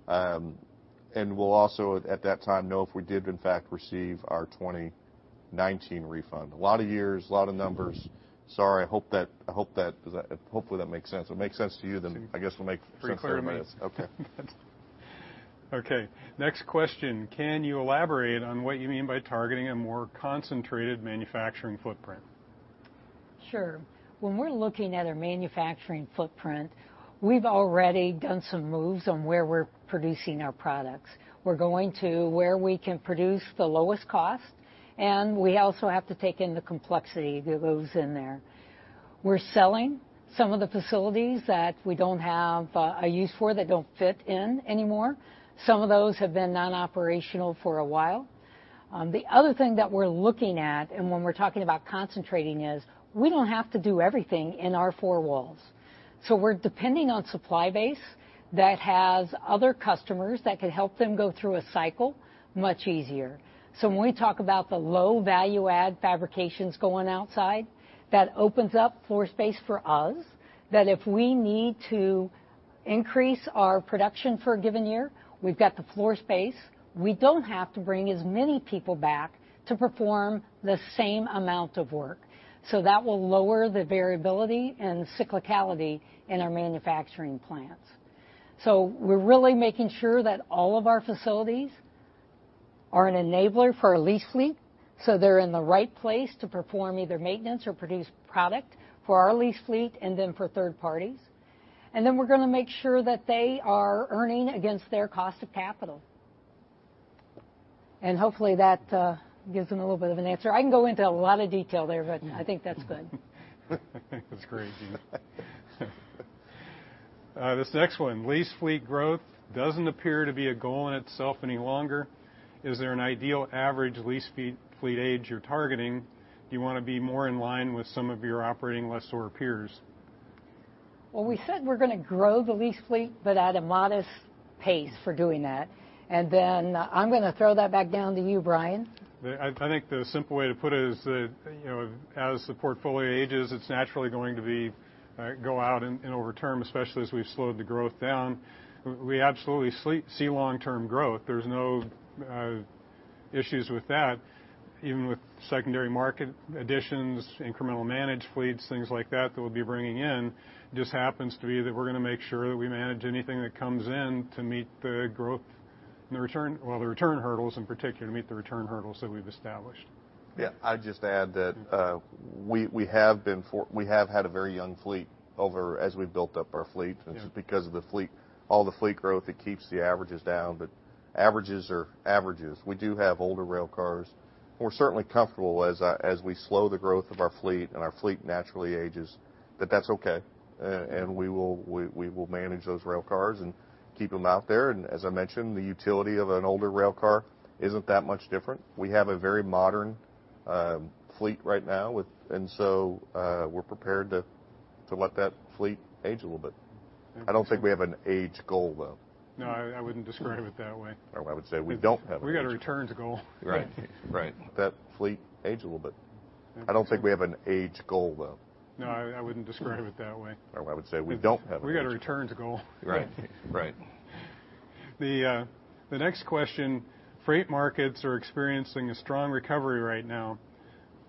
We'll also at that time know if we did in fact receive our 2019 refund. A lot of years, a lot of numbers. Sorry, I hope that, hopefully that makes sense. If it makes sense to you, then I guess it'll make sense to everybody else. Pretty clear to me. Okay. Okay, next question. Can you elaborate on what you mean by targeting a more concentrated manufacturing footprint? Sure. When we're looking at our manufacturing footprint, we've already done some moves on where we're producing our products. We're going to where we can produce the lowest cost, and we also have to take in the complexity that goes in there. We're selling some of the facilities that we don't have a use for, that don't fit in anymore. Some of those have been non-operational for a while. The other thing that we're looking at, and when we're talking about concentrating is, we don't have to do everything in our four walls. We're depending on supply base that has other customers that can help them go through a cycle much easier. When we talk about the low value add fabrications going outside, that opens up floor space for us, that if we need to increase our production for a given year, we've got the floor space. We don't have to bring as many people back to perform the same amount of work. That will lower the variability and cyclicality in our manufacturing plants. We're really making sure that all of our facilities are an enabler for our lease fleet, so they're in the right place to perform either maintenance or produce product for our lease fleet and then for third parties. Then we're gonna make sure that they are earning against their cost of capital. Hopefully that gives them a little bit of an answer. I can go into a lot of detail there, but I think that's good. That's great, Jean. This next one: lease fleet growth doesn't appear to be a goal in itself any longer. Is there an ideal average lease fleet age you're targeting? Do you wanna be more in line with some of your operating lessor peers? Well, we said we're gonna grow the lease fleet, but at a modest pace for doing that. I'm gonna throw that back down to you, Brian. Yeah, I think the simple way to put it is that, you know, as the portfolio ages, it's naturally going to be, go out in over term, especially as we've slowed the growth down. We absolutely see long-term growth. There's no issues with that, even with secondary market additions, incremental managed fleets, things like that we'll be bringing in. Just happens to be that we're gonna make sure that we manage anything that comes in to meet the growth and the return, well, the return hurdles in particular, to meet the return hurdles that we've established. Yeah. I'd just add that, we have had a very young fleet over as we built up our fleet. Yeah. Just because of the fleet, all the fleet growth, it keeps the averages down, but averages are averages. We do have older railcars. We're certainly comfortable, as we slow the growth of our fleet and our fleet naturally ages, that's okay. We will manage those railcars and keep them out there. As I mentioned, the utility of an older railcar isn't that much different. We have a very modern fleet right now, so we're prepared to let that fleet age a little bit. I don't think we have an age goal, though. No, I wouldn't describe it that way. I would say we don't have an age-. We got a returns goal. Right. That fleet age a little bit. I don't think we have an age goal, though. No, I wouldn't describe it that way. I would say we don't have an age-. We got a returns goal. Right. Right. The next question, freight markets are experiencing a strong recovery right now.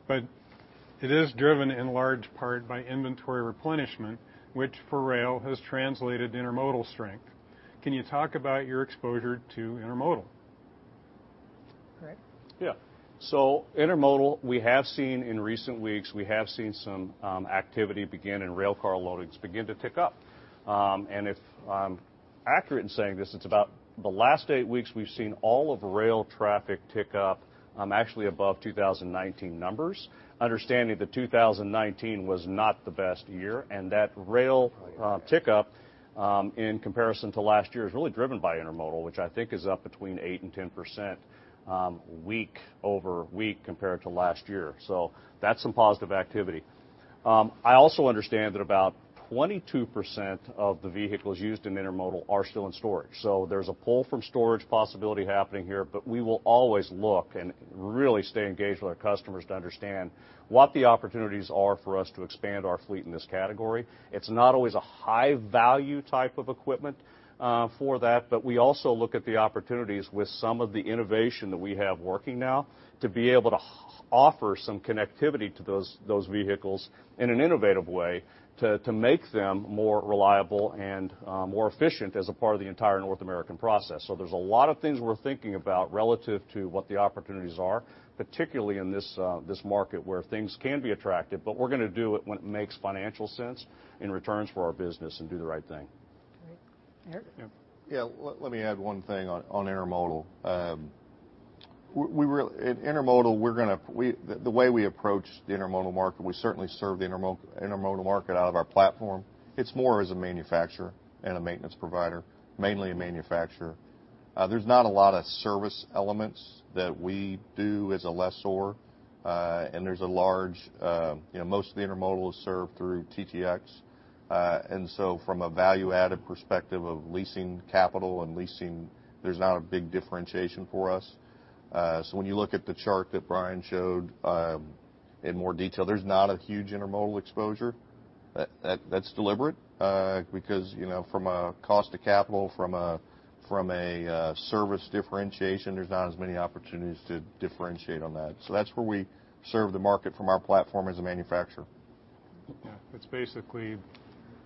It is driven in large part by inventory replenishment, which for rail has translated intermodal strength. Can you talk about your exposure to intermodal? Greg? Intermodal, we have seen, in recent weeks, we have seen some activity begin and railcar loadings begin to tick up. If I'm accurate in saying this, it's about the last eight weeks we've seen all of rail traffic tick up, actually above 2019 numbers. Understanding that 2019 was not the best year, and that rail tick up in comparison to last year is really driven by intermodal, which I think is up between 8% and 10% week-over-week compared to last year. That's some positive activity. I also understand that about 22% of the vehicles used in intermodal are still in storage. There's a pull from storage possibility happening here, but we will always look and really stay engaged with our customers to understand what the opportunities are for us to expand our fleet in this category. It's not always a high value type of equipment for that, but we also look at the opportunities with some of the innovation that we have working now to be able to offer some connectivity to those vehicles in an innovative way to make them more reliable and more efficient as a part of the entire North American process. There's a lot of things we're thinking about relative to what the opportunities are, particularly in this market where things can be attractive, but we're gonna do it when it makes financial sense and returns for our business and do the right thing. Great. Eric? Yeah. Let me add one thing on intermodal. In intermodal, the way we approach the intermodal market, we certainly serve the intermodal market out of our platform. It's more as a manufacturer and a maintenance provider, mainly a manufacturer. There's not a lot of service elements that we do as a lessor, and there's a large, you know, most of the intermodal is served through TTX. From a value add perspective of leasing capital and leasing, there's not a big differentiation for us. When you look at the chart that Brian showed, in more detail, there's not a huge intermodal exposure. That's deliberate, because, you know, from a cost of capital, from a service differentiation, there's not as many opportunities to differentiate on that. That's where we serve the market from our platform as a manufacturer. Yeah. It's basically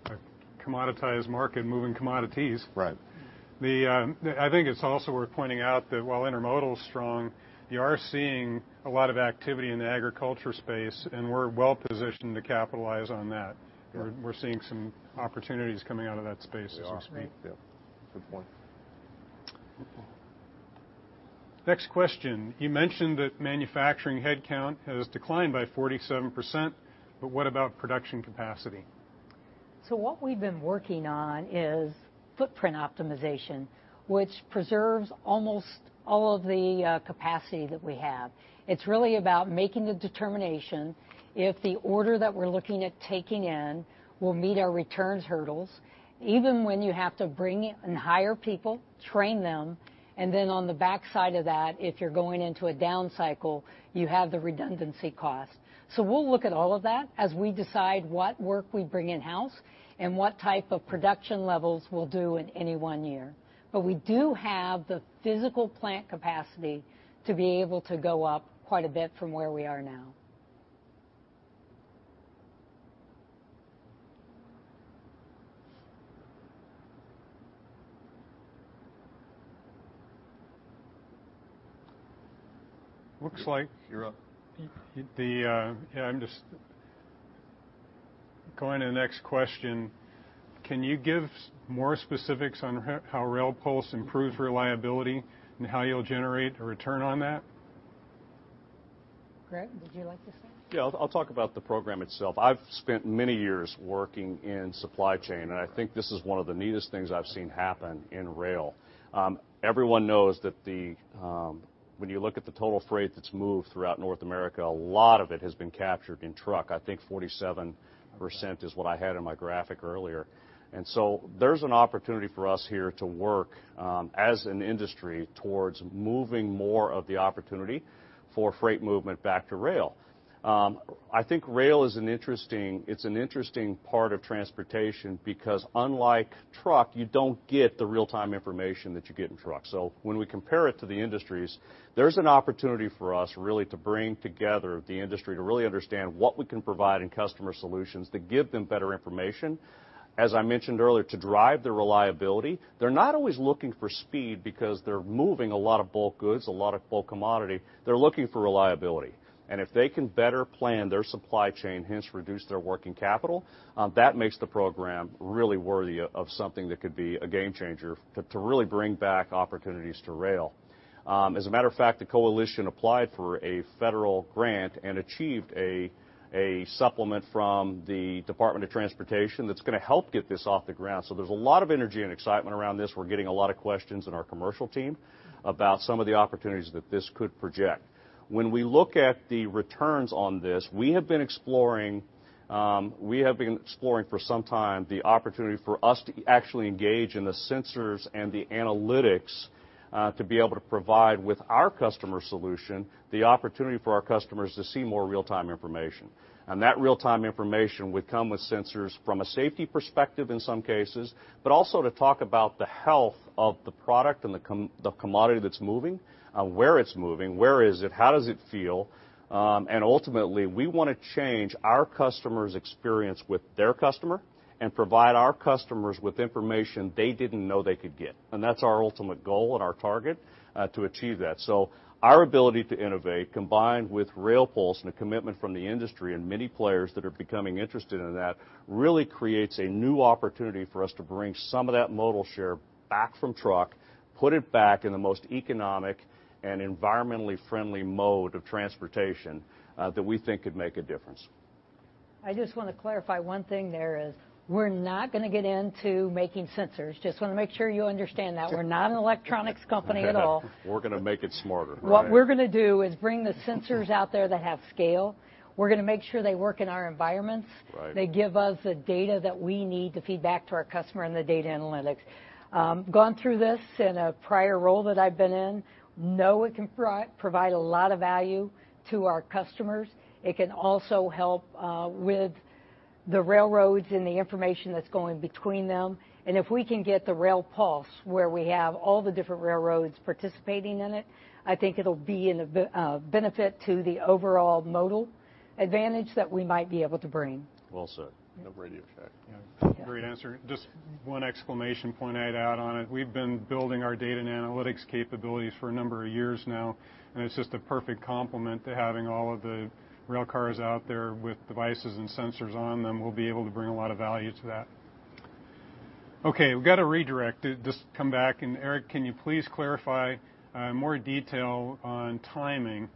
a commoditized market moving commodities. Right. The, I think it's also worth pointing out that while intermodal is strong, you are seeing a lot of activity in the agriculture space, and we're well positioned to capitalize on that. Yeah. We're seeing some opportunities coming out of that space as we speak. We are. Yeah. Good point. Next question. You mentioned that manufacturing headcount has declined by 47%, but what about production capacity? What we've been working on is footprint optimization, which preserves almost all of the capacity that we have. It's really about making the determination if the order that we're looking at taking in will meet our returns hurdles, even when you have to bring in and hire people, train them, and then on the backside of that, if you're going into a down cycle, you have the redundancy cost. We'll look at all of that as we decide what work we bring in-house and what type of production levels we'll do in any one year. We do have the physical plant capacity to be able to go up quite a bit from where we are now. Looks like- You're up. Yeah, I'm just going to the next question. Can you give more specifics on how RailPulse improves reliability and how you'll generate a return on that? Gregg, would you like to start? I'll talk about the program itself. I've spent many years working in supply chain, and I think this is one of the neatest things I've seen happen in rail. Everyone knows that when you look at the total freight that's moved throughout North America, a lot of it has been captured in truck. I think 47% is what I had in my graphic earlier. There's an opportunity for us here to work as an industry towards moving more of the opportunity for freight movement back to rail. I think rail is an interesting part of transportation because unlike truck, you don't get the real-time information that you get in truck. When we compare it to the industries, there's an opportunity for us really to bring together the industry to really understand what we can provide in customer solutions to give them better information, as I mentioned earlier, to drive the reliability. They're not always looking for speed because they're moving a lot of bulk goods, a lot of bulk commodity. They're looking for reliability. If they can better plan their supply chain, hence reduce their working capital, that makes the program really worthy of something that could be a game changer to really bring back opportunities to rail. As a matter of fact, the coalition applied for a federal grant and achieved a supplement from the Department of Transportation that's gonna help get this off the ground. There's a lot of energy and excitement around this. We're getting a lot of questions in our commercial team about some of the opportunities that this could project. When we look at the returns on this, we have been exploring, we have been exploring for some time the opportunity for us to actually engage in the sensors and the analytics, to be able to provide with our customer solution, the opportunity for our customers to see more real-time information. That real-time information would come with sensors from a safety perspective in some cases, but also to talk about the health of the product and the commodity that's moving, where it's moving, where is it, how does it feel? Ultimately, we wanna change our customer's experience with their customer and provide our customers with information they didn't know they could get. That's our ultimate goal and our target, to achieve that. Our ability to innovate combined with RailPulse and a commitment from the industry and many players that are becoming interested in that, really creates a new opportunity for us to bring some of that modal share back from truck, put it back in the most economic and environmentally friendly mode of transportation, that we think could make a difference. I just wanna clarify one thing there is, we're not gonna get into making sensors. Just wanna make sure you understand that. We're not an electronics company at all. We're gonna make it smarter, right? What we're gonna do is bring the sensors out there that have scale. We're gonna make sure they work in our environments. Right. They give us the data that we need to feed back to our customer and the data analytics. Gone through this in a prior role that I've been in. Know it can provide a lot of value to our customers. It can also help with the railroads and the information that's going between them. If we can get the RailPulse where we have all the different railroads participating in it, I think it'll be in a benefit to the overall modal advantage that we might be able to bring. Well said. No RadioShack. Yeah. Great answer. Just one exclamation point I'd add on it. We've been building our data and analytics capabilities for a number of years now, and it's just a perfect complement to having all of the rail cars out there with devices and sensors on them. We'll be able to bring a lot of value to that. Okay, we've got a redirect. Just come back, and Eric, can you please clarify more detail on timing?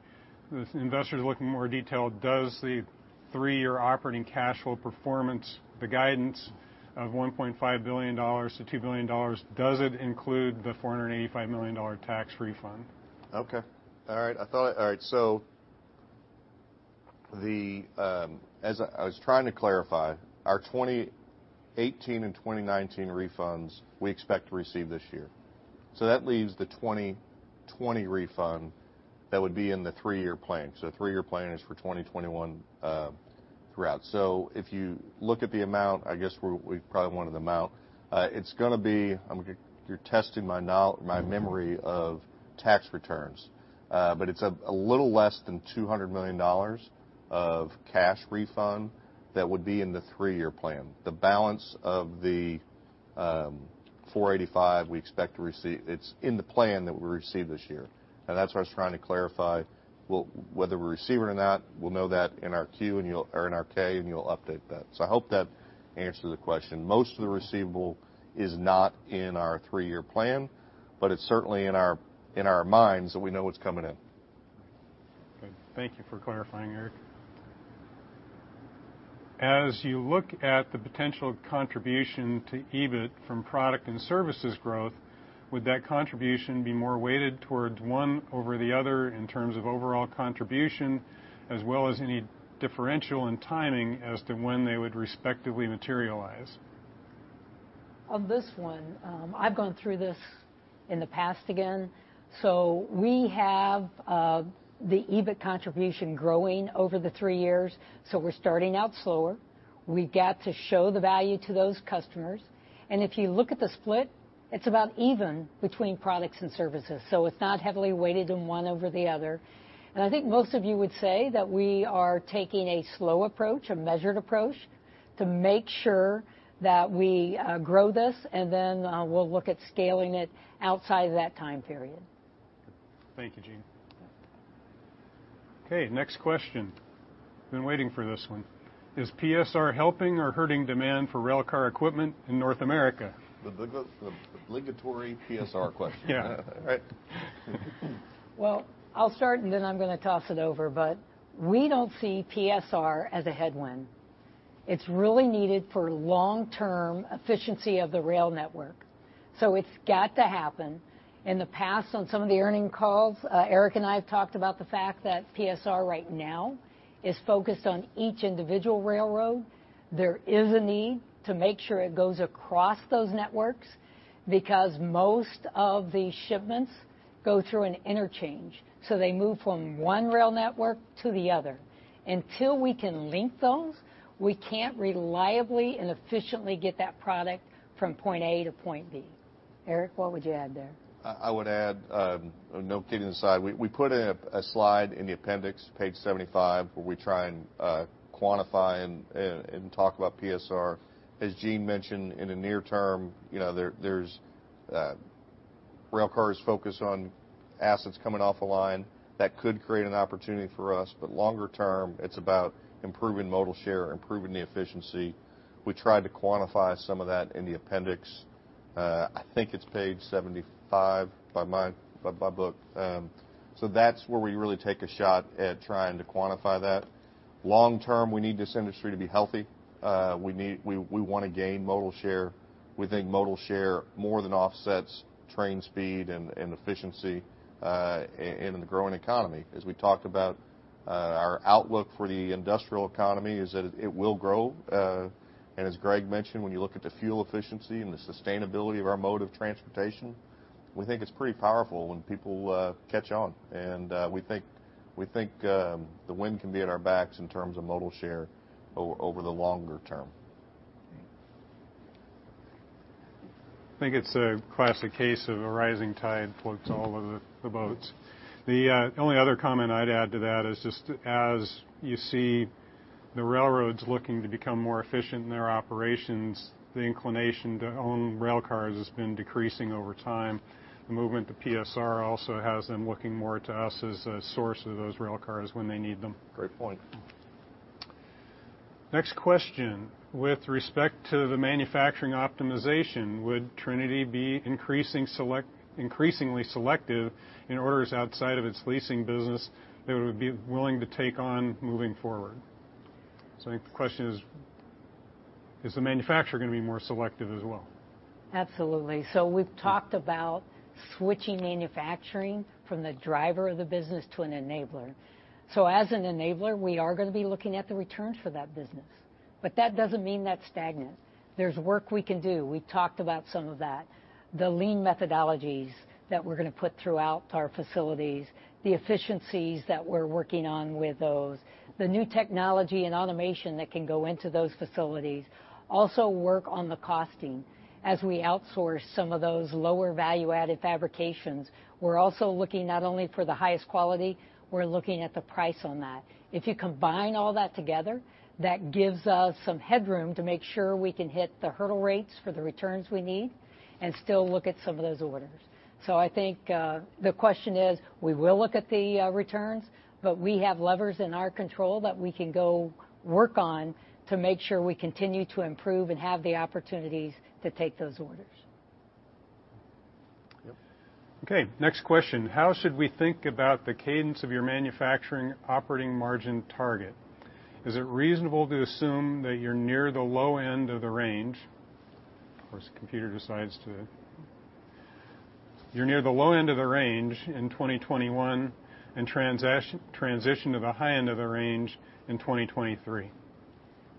The investors are looking more detail. Does the three-year operating cash flow performance, the guidance of $1.5 billion-$2 billion, include the $485 million tax refund? As I was trying to clarify, our 2018 and 2019 refunds, we expect to receive this year. That leaves the 2020 refund that would be in the 3-year plan. The 3-year plan is for 2021 throughout. If you look at the amount, I guess we probably wanted the amount. It's gonna be, you're testing my memory of tax returns. But it's a little less than $200 million of cash refund that would be in the 3-year plan. The balance of the $485, we expect to receive. It's in the plan that we receive this year. That's what I was trying to clarify. We'll, whether we receive it or not, we'll know that in our Q and you'll, or in our K, and you'll update that. I hope that answered the question. Most of the receivable is not in our three-year plan, but it's certainly in our, in our minds that we know what's coming in. Good. Thank you for clarifying, Eric. As you look at the potential contribution to EBIT from product and services growth, would that contribution be more weighted towards one over the other in terms of overall contribution, as well as any differential in timing as to when they would respectively materialize? On this one, I've gone through this in the past again. We have the EBIT contribution growing over the three years, we're starting out slower. We've got to show the value to those customers. If you look at the split-It's about even between products and services, it's not heavily weighted in one over the other. I think most of you would say that we are taking a slow approach, a measured approach, to make sure that we grow this, then we'll look at scaling it outside of that time period. Thank you, Jean. Okay, next question. I've been waiting for this one. "Is PSR helping or hurting demand for railcar equipment in North America? The obligatory PSR question. Yeah, right. I'll start, and then I'm gonna toss it over. We don't see PSR as a headwind. It's really needed for long-term efficiency of the rail network. It's got to happen. In the past, on some of the earning calls, Eric and I have talked about the fact that PSR right now is focused on each individual railroad. There is a need to make sure it goes across those networks because most of the shipments go through an interchange. They move from one rail network to the other. Until we can link those, we can't reliably and efficiently get that product from point A to point B. Eric, what would you add there? I would add, no kidding aside, we put in a slide in the appendix, page 75, where we try and quantify and talk about PSR. As Jean Savage mentioned, in the near term, you know, there's railcars focused on assets coming off a line. That could create an opportunity for us. Longer term, it's about improving modal share, improving the efficiency. We tried to quantify some of that in the appendix. I think it's page 75 by my book. That's where we really take a shot at trying to quantify that. Long term, we need this industry to be healthy. We wanna gain modal share. We think modal share more than offsets train speed and efficiency in the growing economy. As we talked about, our outlook for the industrial economy is that it will grow. As Gregg mentioned, when you look at the fuel efficiency and the sustainability of our mode of transportation, we think it's pretty powerful when people catch on. We think the wind can be at our backs in terms of modal share over the longer term. I think it's a classic case of a rising tide floats all of the boats. The only other comment I'd add to that is just as you see the railroads looking to become more efficient in their operations, the inclination to own railcars has been decreasing over time. The movement to PSR also has them looking more to us as a source of those railcars when they need them. Great point. Next question, "With respect to the manufacturing optimization, would Trinity be increasingly selective in orders outside of its leasing business that it would be willing to take on moving forward?" I think the question is the manufacturer gonna be more selective as well? Absolutely. We've talked about switching manufacturing from the driver of the business to an enabler. As an enabler, we are gonna be looking at the returns for that business, but that doesn't mean that's stagnant. There's work we can do. We talked about some of that, the lean methodologies that we're gonna put throughout our facilities, the efficiencies that we're working on with those, the new technology and automation that can go into those facilities. Also, work on the costing. As we outsource some of those lower value-added fabrications, we're also looking not only for the highest quality, we're looking at the price on that. If you combine all that together, that gives us some headroom to make sure we can hit the hurdle rates for the returns we need and still look at some of those orders. I think, the question is, we will look at the returns, but we have levers in our control that we can go work on to make sure we continue to improve and have the opportunities to take those orders. Yep. Okay, next question, "How should we think about the cadence of your manufacturing operating margin target? Is it reasonable to assume that you're near the low end of the range?" Of course, the computer decides to. "You're near the low end of the range in 2021 and transition to the high end of the range in 2023?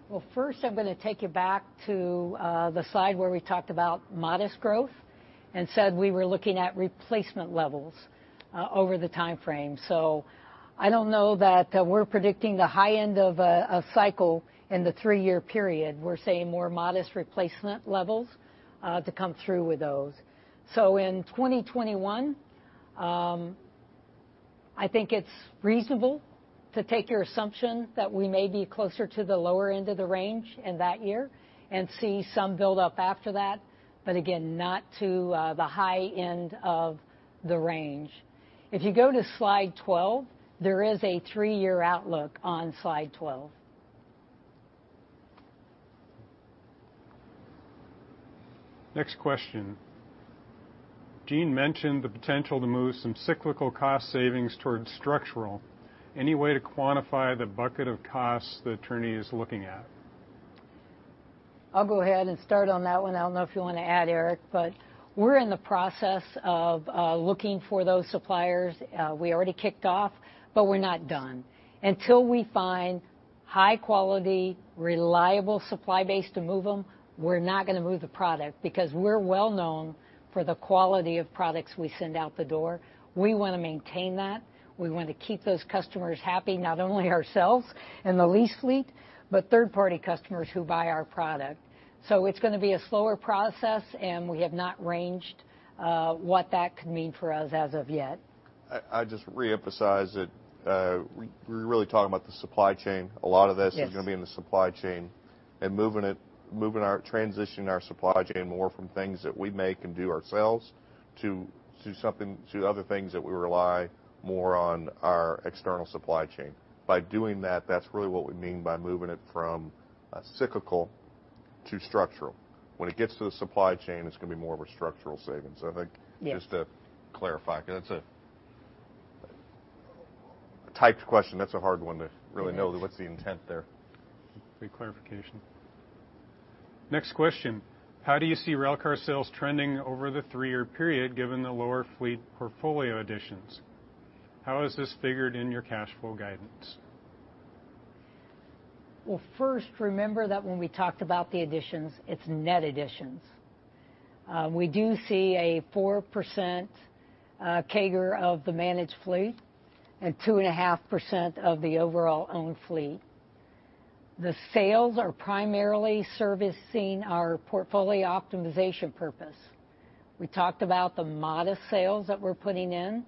Well, first, I'm gonna take you back to the slide where we talked about modest growth and said we were looking at replacement levels over the timeframe. I don't know that we're predicting the high end of a cycle in the 3-year period. We're saying more modest replacement levels to come through with those. In 2021, I think it's reasonable to take your assumption that we may be closer to the lower end of the range in that year and see some build-up after that, but again, not to the high end of the range. If you go to slide 12, there is a 3-year outlook on slide 12. Next question, "Jean mentioned the potential to move some cyclical cost savings towards structural. Any way to quantify the bucket of costs that Trinity is looking at? I'll go ahead and start on that one. I don't know if you wanna add, Eric, we're in the process of looking for those suppliers. We already kicked off, we're not done. Until we find high quality, reliable supply base to move them, we're not gonna move the product because we're well known for the quality of products we send out the door. We wanna maintain that. We want to keep those customers happy, not only ourselves and the lease fleet, but third-party customers who buy our product. It's gonna be a slower process, and we have not ranged what that could mean for us as of yet. I just reemphasize that we're really talking about the supply chain. Yes... is gonna be in the supply chain, and transitioning our supply chain more from things that we make and do ourselves to other things that we rely more on our external supply chain. By doing that's really what we mean by moving it from cyclical to structural. When it gets to the supply chain, it's gonna be more of a structural savings. Yeah... just to clarify, because that's a typed question, that's a hard one to really know. Yes What's the intent there. Great clarification. Next question: How do you see railcar sales trending over the three-year period, given the lower fleet portfolio additions? How is this figured in your cash flow guidance? Well, first, remember that when we talked about the additions, it's net additions. We do see a 4% CAGR of the managed fleet and 2.5% of the overall owned fleet. The sales are primarily servicing our portfolio optimization purpose. We talked about the modest sales that we're putting in.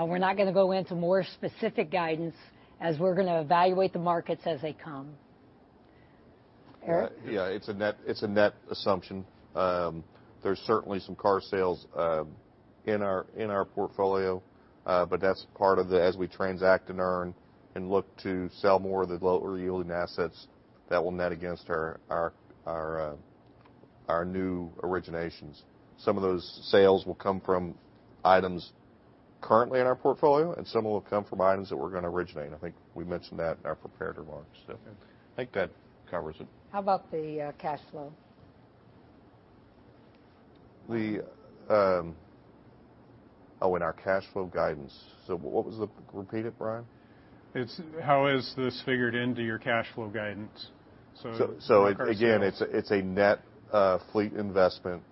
We're not gonna go into more specific guidance, as we're gonna evaluate the markets as they come. Eric? Yeah, it's a net assumption. There's certainly some car sales, in our portfolio, that's part of the, as we transact and earn and look to sell more of the lower yielding assets, that will net against our new originations. Some of those sales will come from items currently in our portfolio, and some will come from items that we're gonna originate. I think we mentioned that in our prepared remarks. Yeah. I think that covers it. How about the cash flow? Oh, in our cash flow guidance. What was the, repeat it, Brian? How is this figured into your cash flow guidance, railcar sales? Again, it's a net fleet investment,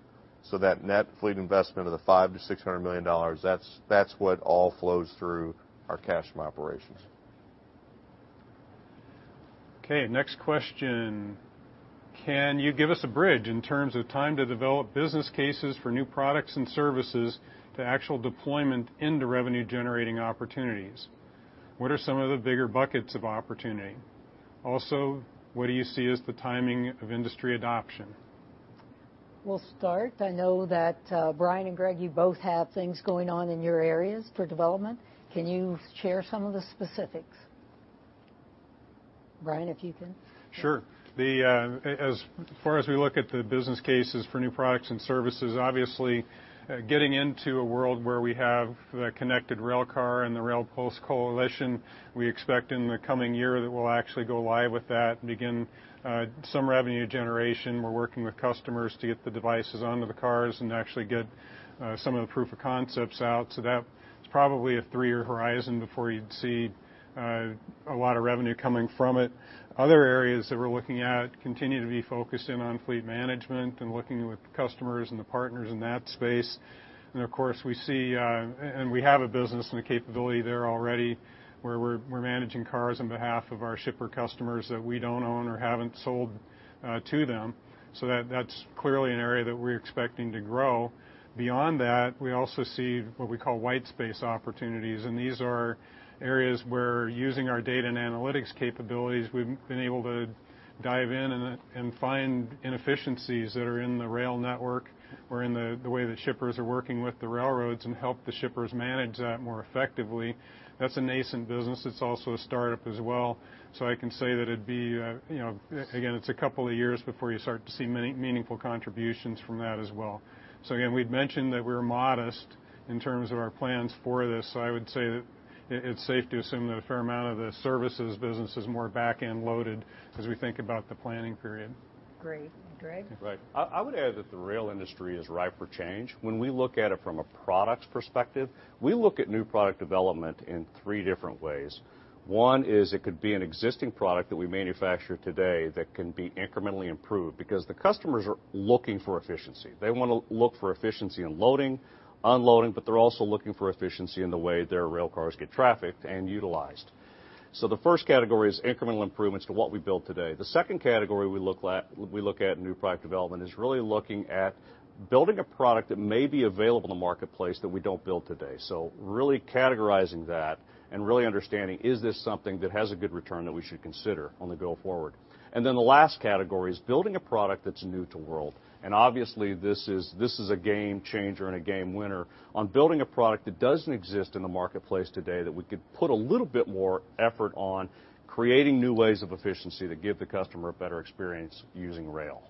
so that net fleet investment of the $500 million-$600 million, that's what all flows through our cash from operations. Okay, next question: Can you give us a bridge in terms of time to develop business cases for new products and services to actual deployment into revenue generating opportunities? What are some of the bigger buckets of opportunity? What do you see as the timing of industry adoption? We'll start. I know that Brian and Gregg, you both have things going on in your areas for development. Can you share some of the specifics? Brian, if you can. The, as far as we look at the business cases for new products and services, obviously, getting into a world where we have the connected railcar and the RailPulse coalition, we expect in the coming year that we'll actually go live with that and begin some revenue generation. We're working with customers to get the devices onto the cars and actually get some of the proof of concepts out. That's probably a 3-year horizon before you'd see a lot of revenue coming from it. Other areas that we're looking at continue to be focused in on fleet management and looking with customers and the partners in that space. Of course, we see, and we have a business and a capability there already, where we're managing cars on behalf of our shipper customers that we don't own or haven't sold to them, that's clearly an area that we're expecting to grow. Beyond that, we also see what we call white space opportunities, and these are areas where using our data and analytics capabilities, we've been able to dive in and find inefficiencies that are in the rail network or in the way that shippers are working with the railroads and help the shippers manage that more effectively. That's a nascent business. It's also a startup as well. I can say that it'd be, you know, again, it's a couple of years before you start to see meaningful contributions from that as well. Again, we'd mentioned that we're modest in terms of our plans for this, so I would say that it's safe to assume that a fair amount of the services business is more back-end loaded as we think about the planning period. Great. Gregg? Right. I would add that the rail industry is ripe for change. When we look at it from a products perspective, we look at new product development in 3 different ways. 1 is it could be an existing product that we manufacture today that can be incrementally improved, because the customers are looking for efficiency. They wanna look for efficiency in loading, unloading, but they're also looking for efficiency in the way their railcars get trafficked and utilized. The first category is incremental improvements to what we build today. The second category we look at in new product development is really looking at building a product that may be available in the marketplace that we don't build today. Really categorizing that and really understanding, is this something that has a good return that we should consider on the go forward? The last category is building a product that's new to world, obviously this is a game changer and a game winner on building a product that doesn't exist in the marketplace today that we could put a little bit more effort on creating new ways of efficiency to give the customer a better experience using rail.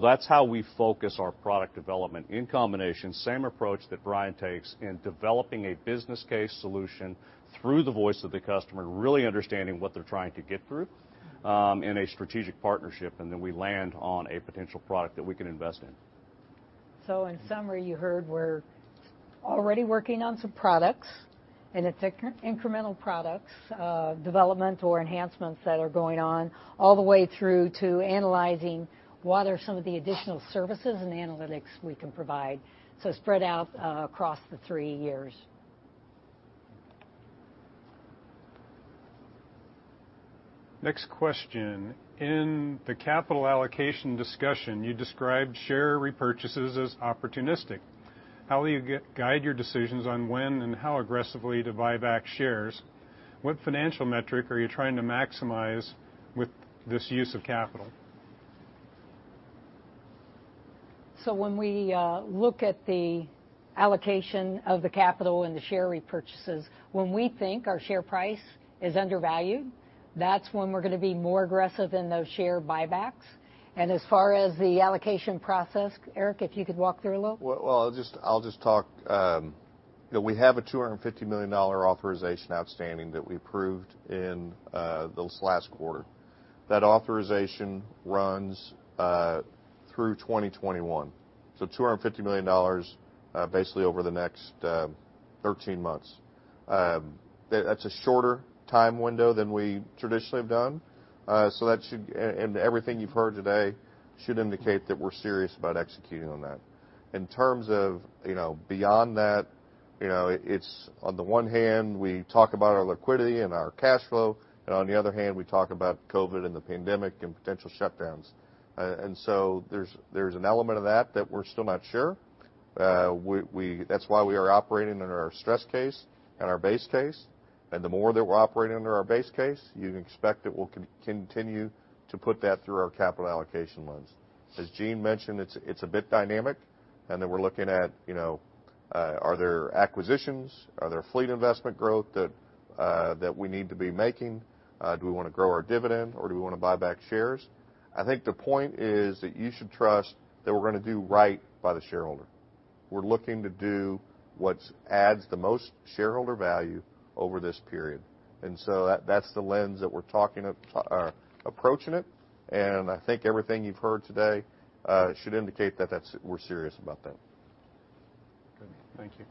That's how we focus our product development. In combination, same approach that Brian takes in developing a business case solution through the voice of the customer, really understanding what they're trying to get through in a strategic partnership, we land on a potential product that we can invest in. In summary, you heard we're already working on some products, and it's incremental products, development or enhancements that are going on, all the way through to analyzing what are some of the additional services and analytics we can provide, so spread out across the three years. Next question. In the capital allocation discussion, you described share repurchases as opportunistic. How will you guide your decisions on when and how aggressively to buy back shares? What financial metric are you trying to maximize with this use of capital? When we look at the allocation of the capital and the share repurchases, when we think our share price is undervalued, that's when we're going to be more aggressive in those share buybacks. As far as the allocation process, Eric, if you could walk through a little. Well, I'll just talk, you know, we have a $250 million authorization outstanding that we approved in this last quarter. That authorization runs through 2021. $250 million, basically over the next 13 months. That's a shorter time window than we traditionally have done. That should and everything you've heard today should indicate that we're serious about executing on that. In terms of, you know, beyond that, you know, it's on the one hand, we talk about our liquidity and our cash flow, and on the other hand, we talk about COVID and the pandemic and potential shutdowns. There's an element of that that we're still not sure. We That's why we are operating under our stress case and our base case. The more that we're operating under our base case, you can expect that we'll continue to put that through our capital allocation lens. As Jean mentioned, it's a bit dynamic, and then we're looking at, you know, are there acquisitions, are there fleet investment growth that we need to be making? Do we wanna grow our dividend, or do we wanna buy back shares? I think the point is that you should trust that we're gonna do right by the shareholder. We're looking to do what adds the most shareholder value over this period. That, that's the lens that we're talking, approaching it. I think everything you've heard today should indicate that we're serious about that. Good. Thank you.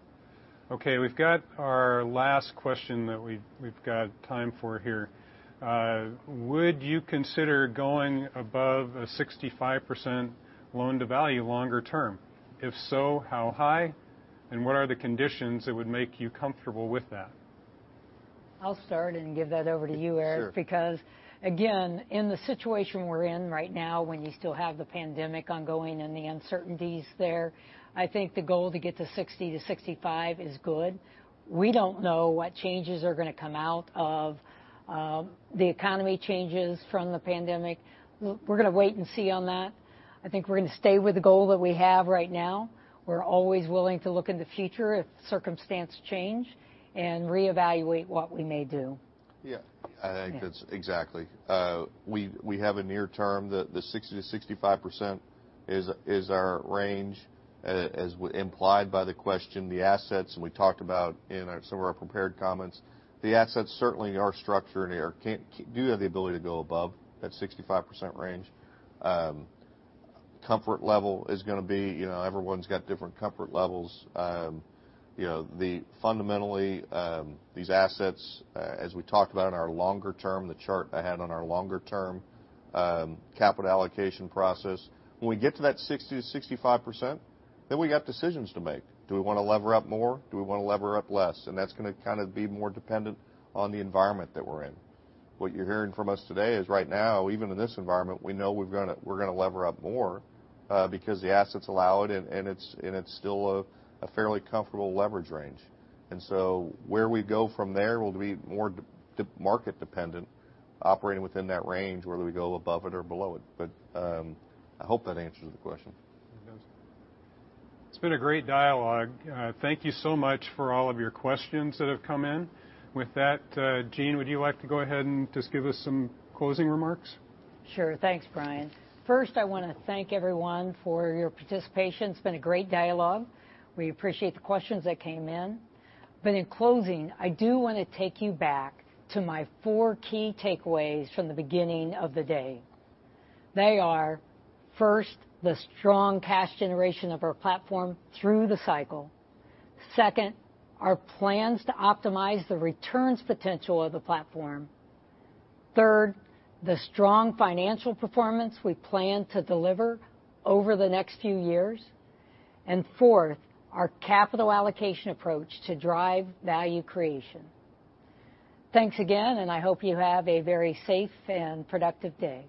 Okay, we've got our last question that we've got time for here. Would you consider going above a 65% loan-to-value longer term? If so, how high, and what are the conditions that would make you comfortable with that? I'll start and give that over to you, Eric. Sure. Again, in the situation we're in right now, when you still have the pandemic ongoing and the uncertainties there, I think the goal to get to 60 to 65 is good. We don't know what changes are gonna come out of the economy changes from the pandemic. We're gonna wait and see on that. I think we're gonna stay with the goal that we have right now. We're always willing to look in the future if circumstance change and reevaluate what we may do. Yeah. exactly. We, we have a near term. The, the 60%-65% is our range. As implied by the question, the assets, and we talked about in some of our prepared comments, the assets certainly in our structure do have the ability to go above that 65% range. Comfort level is gonna be, you know, everyone's got different comfort levels. You know, fundamentally, these assets, as we talked about in our longer term, the chart I had on our longer term, capital allocation process, when we get to that 60%-65%, then we got decisions to make. Do we wanna lever up more? Do we wanna lever up less? And that's gonna kind of be more dependent on the environment that we're in. What you're hearing from us today is right now, even in this environment, we know we're gonna lever up more because the assets allow it, and it's still a fairly comfortable leverage range. Where we go from there will be more market-dependent operating within that range, whether we go above it or below it. I hope that answers the question. It does. It's been a great dialogue. Thank you so much for all of your questions that have come in. With that, Jean, would you like to go ahead and just give us some closing remarks? Sure. Thanks, Brian. First, I wanna thank everyone for your participation. It's been a great dialogue. We appreciate the questions that came in. In closing, I do wanna take you back to my four key takeaways from the beginning of the day. They are, first, the strong cash generation of our platform through the cycle. Second, our plans to optimize the returns potential of the platform. Third, the strong financial performance we plan to deliver over the next few years. Fourth, our capital allocation approach to drive value creation. Thanks again, and I hope you have a very safe and productive day.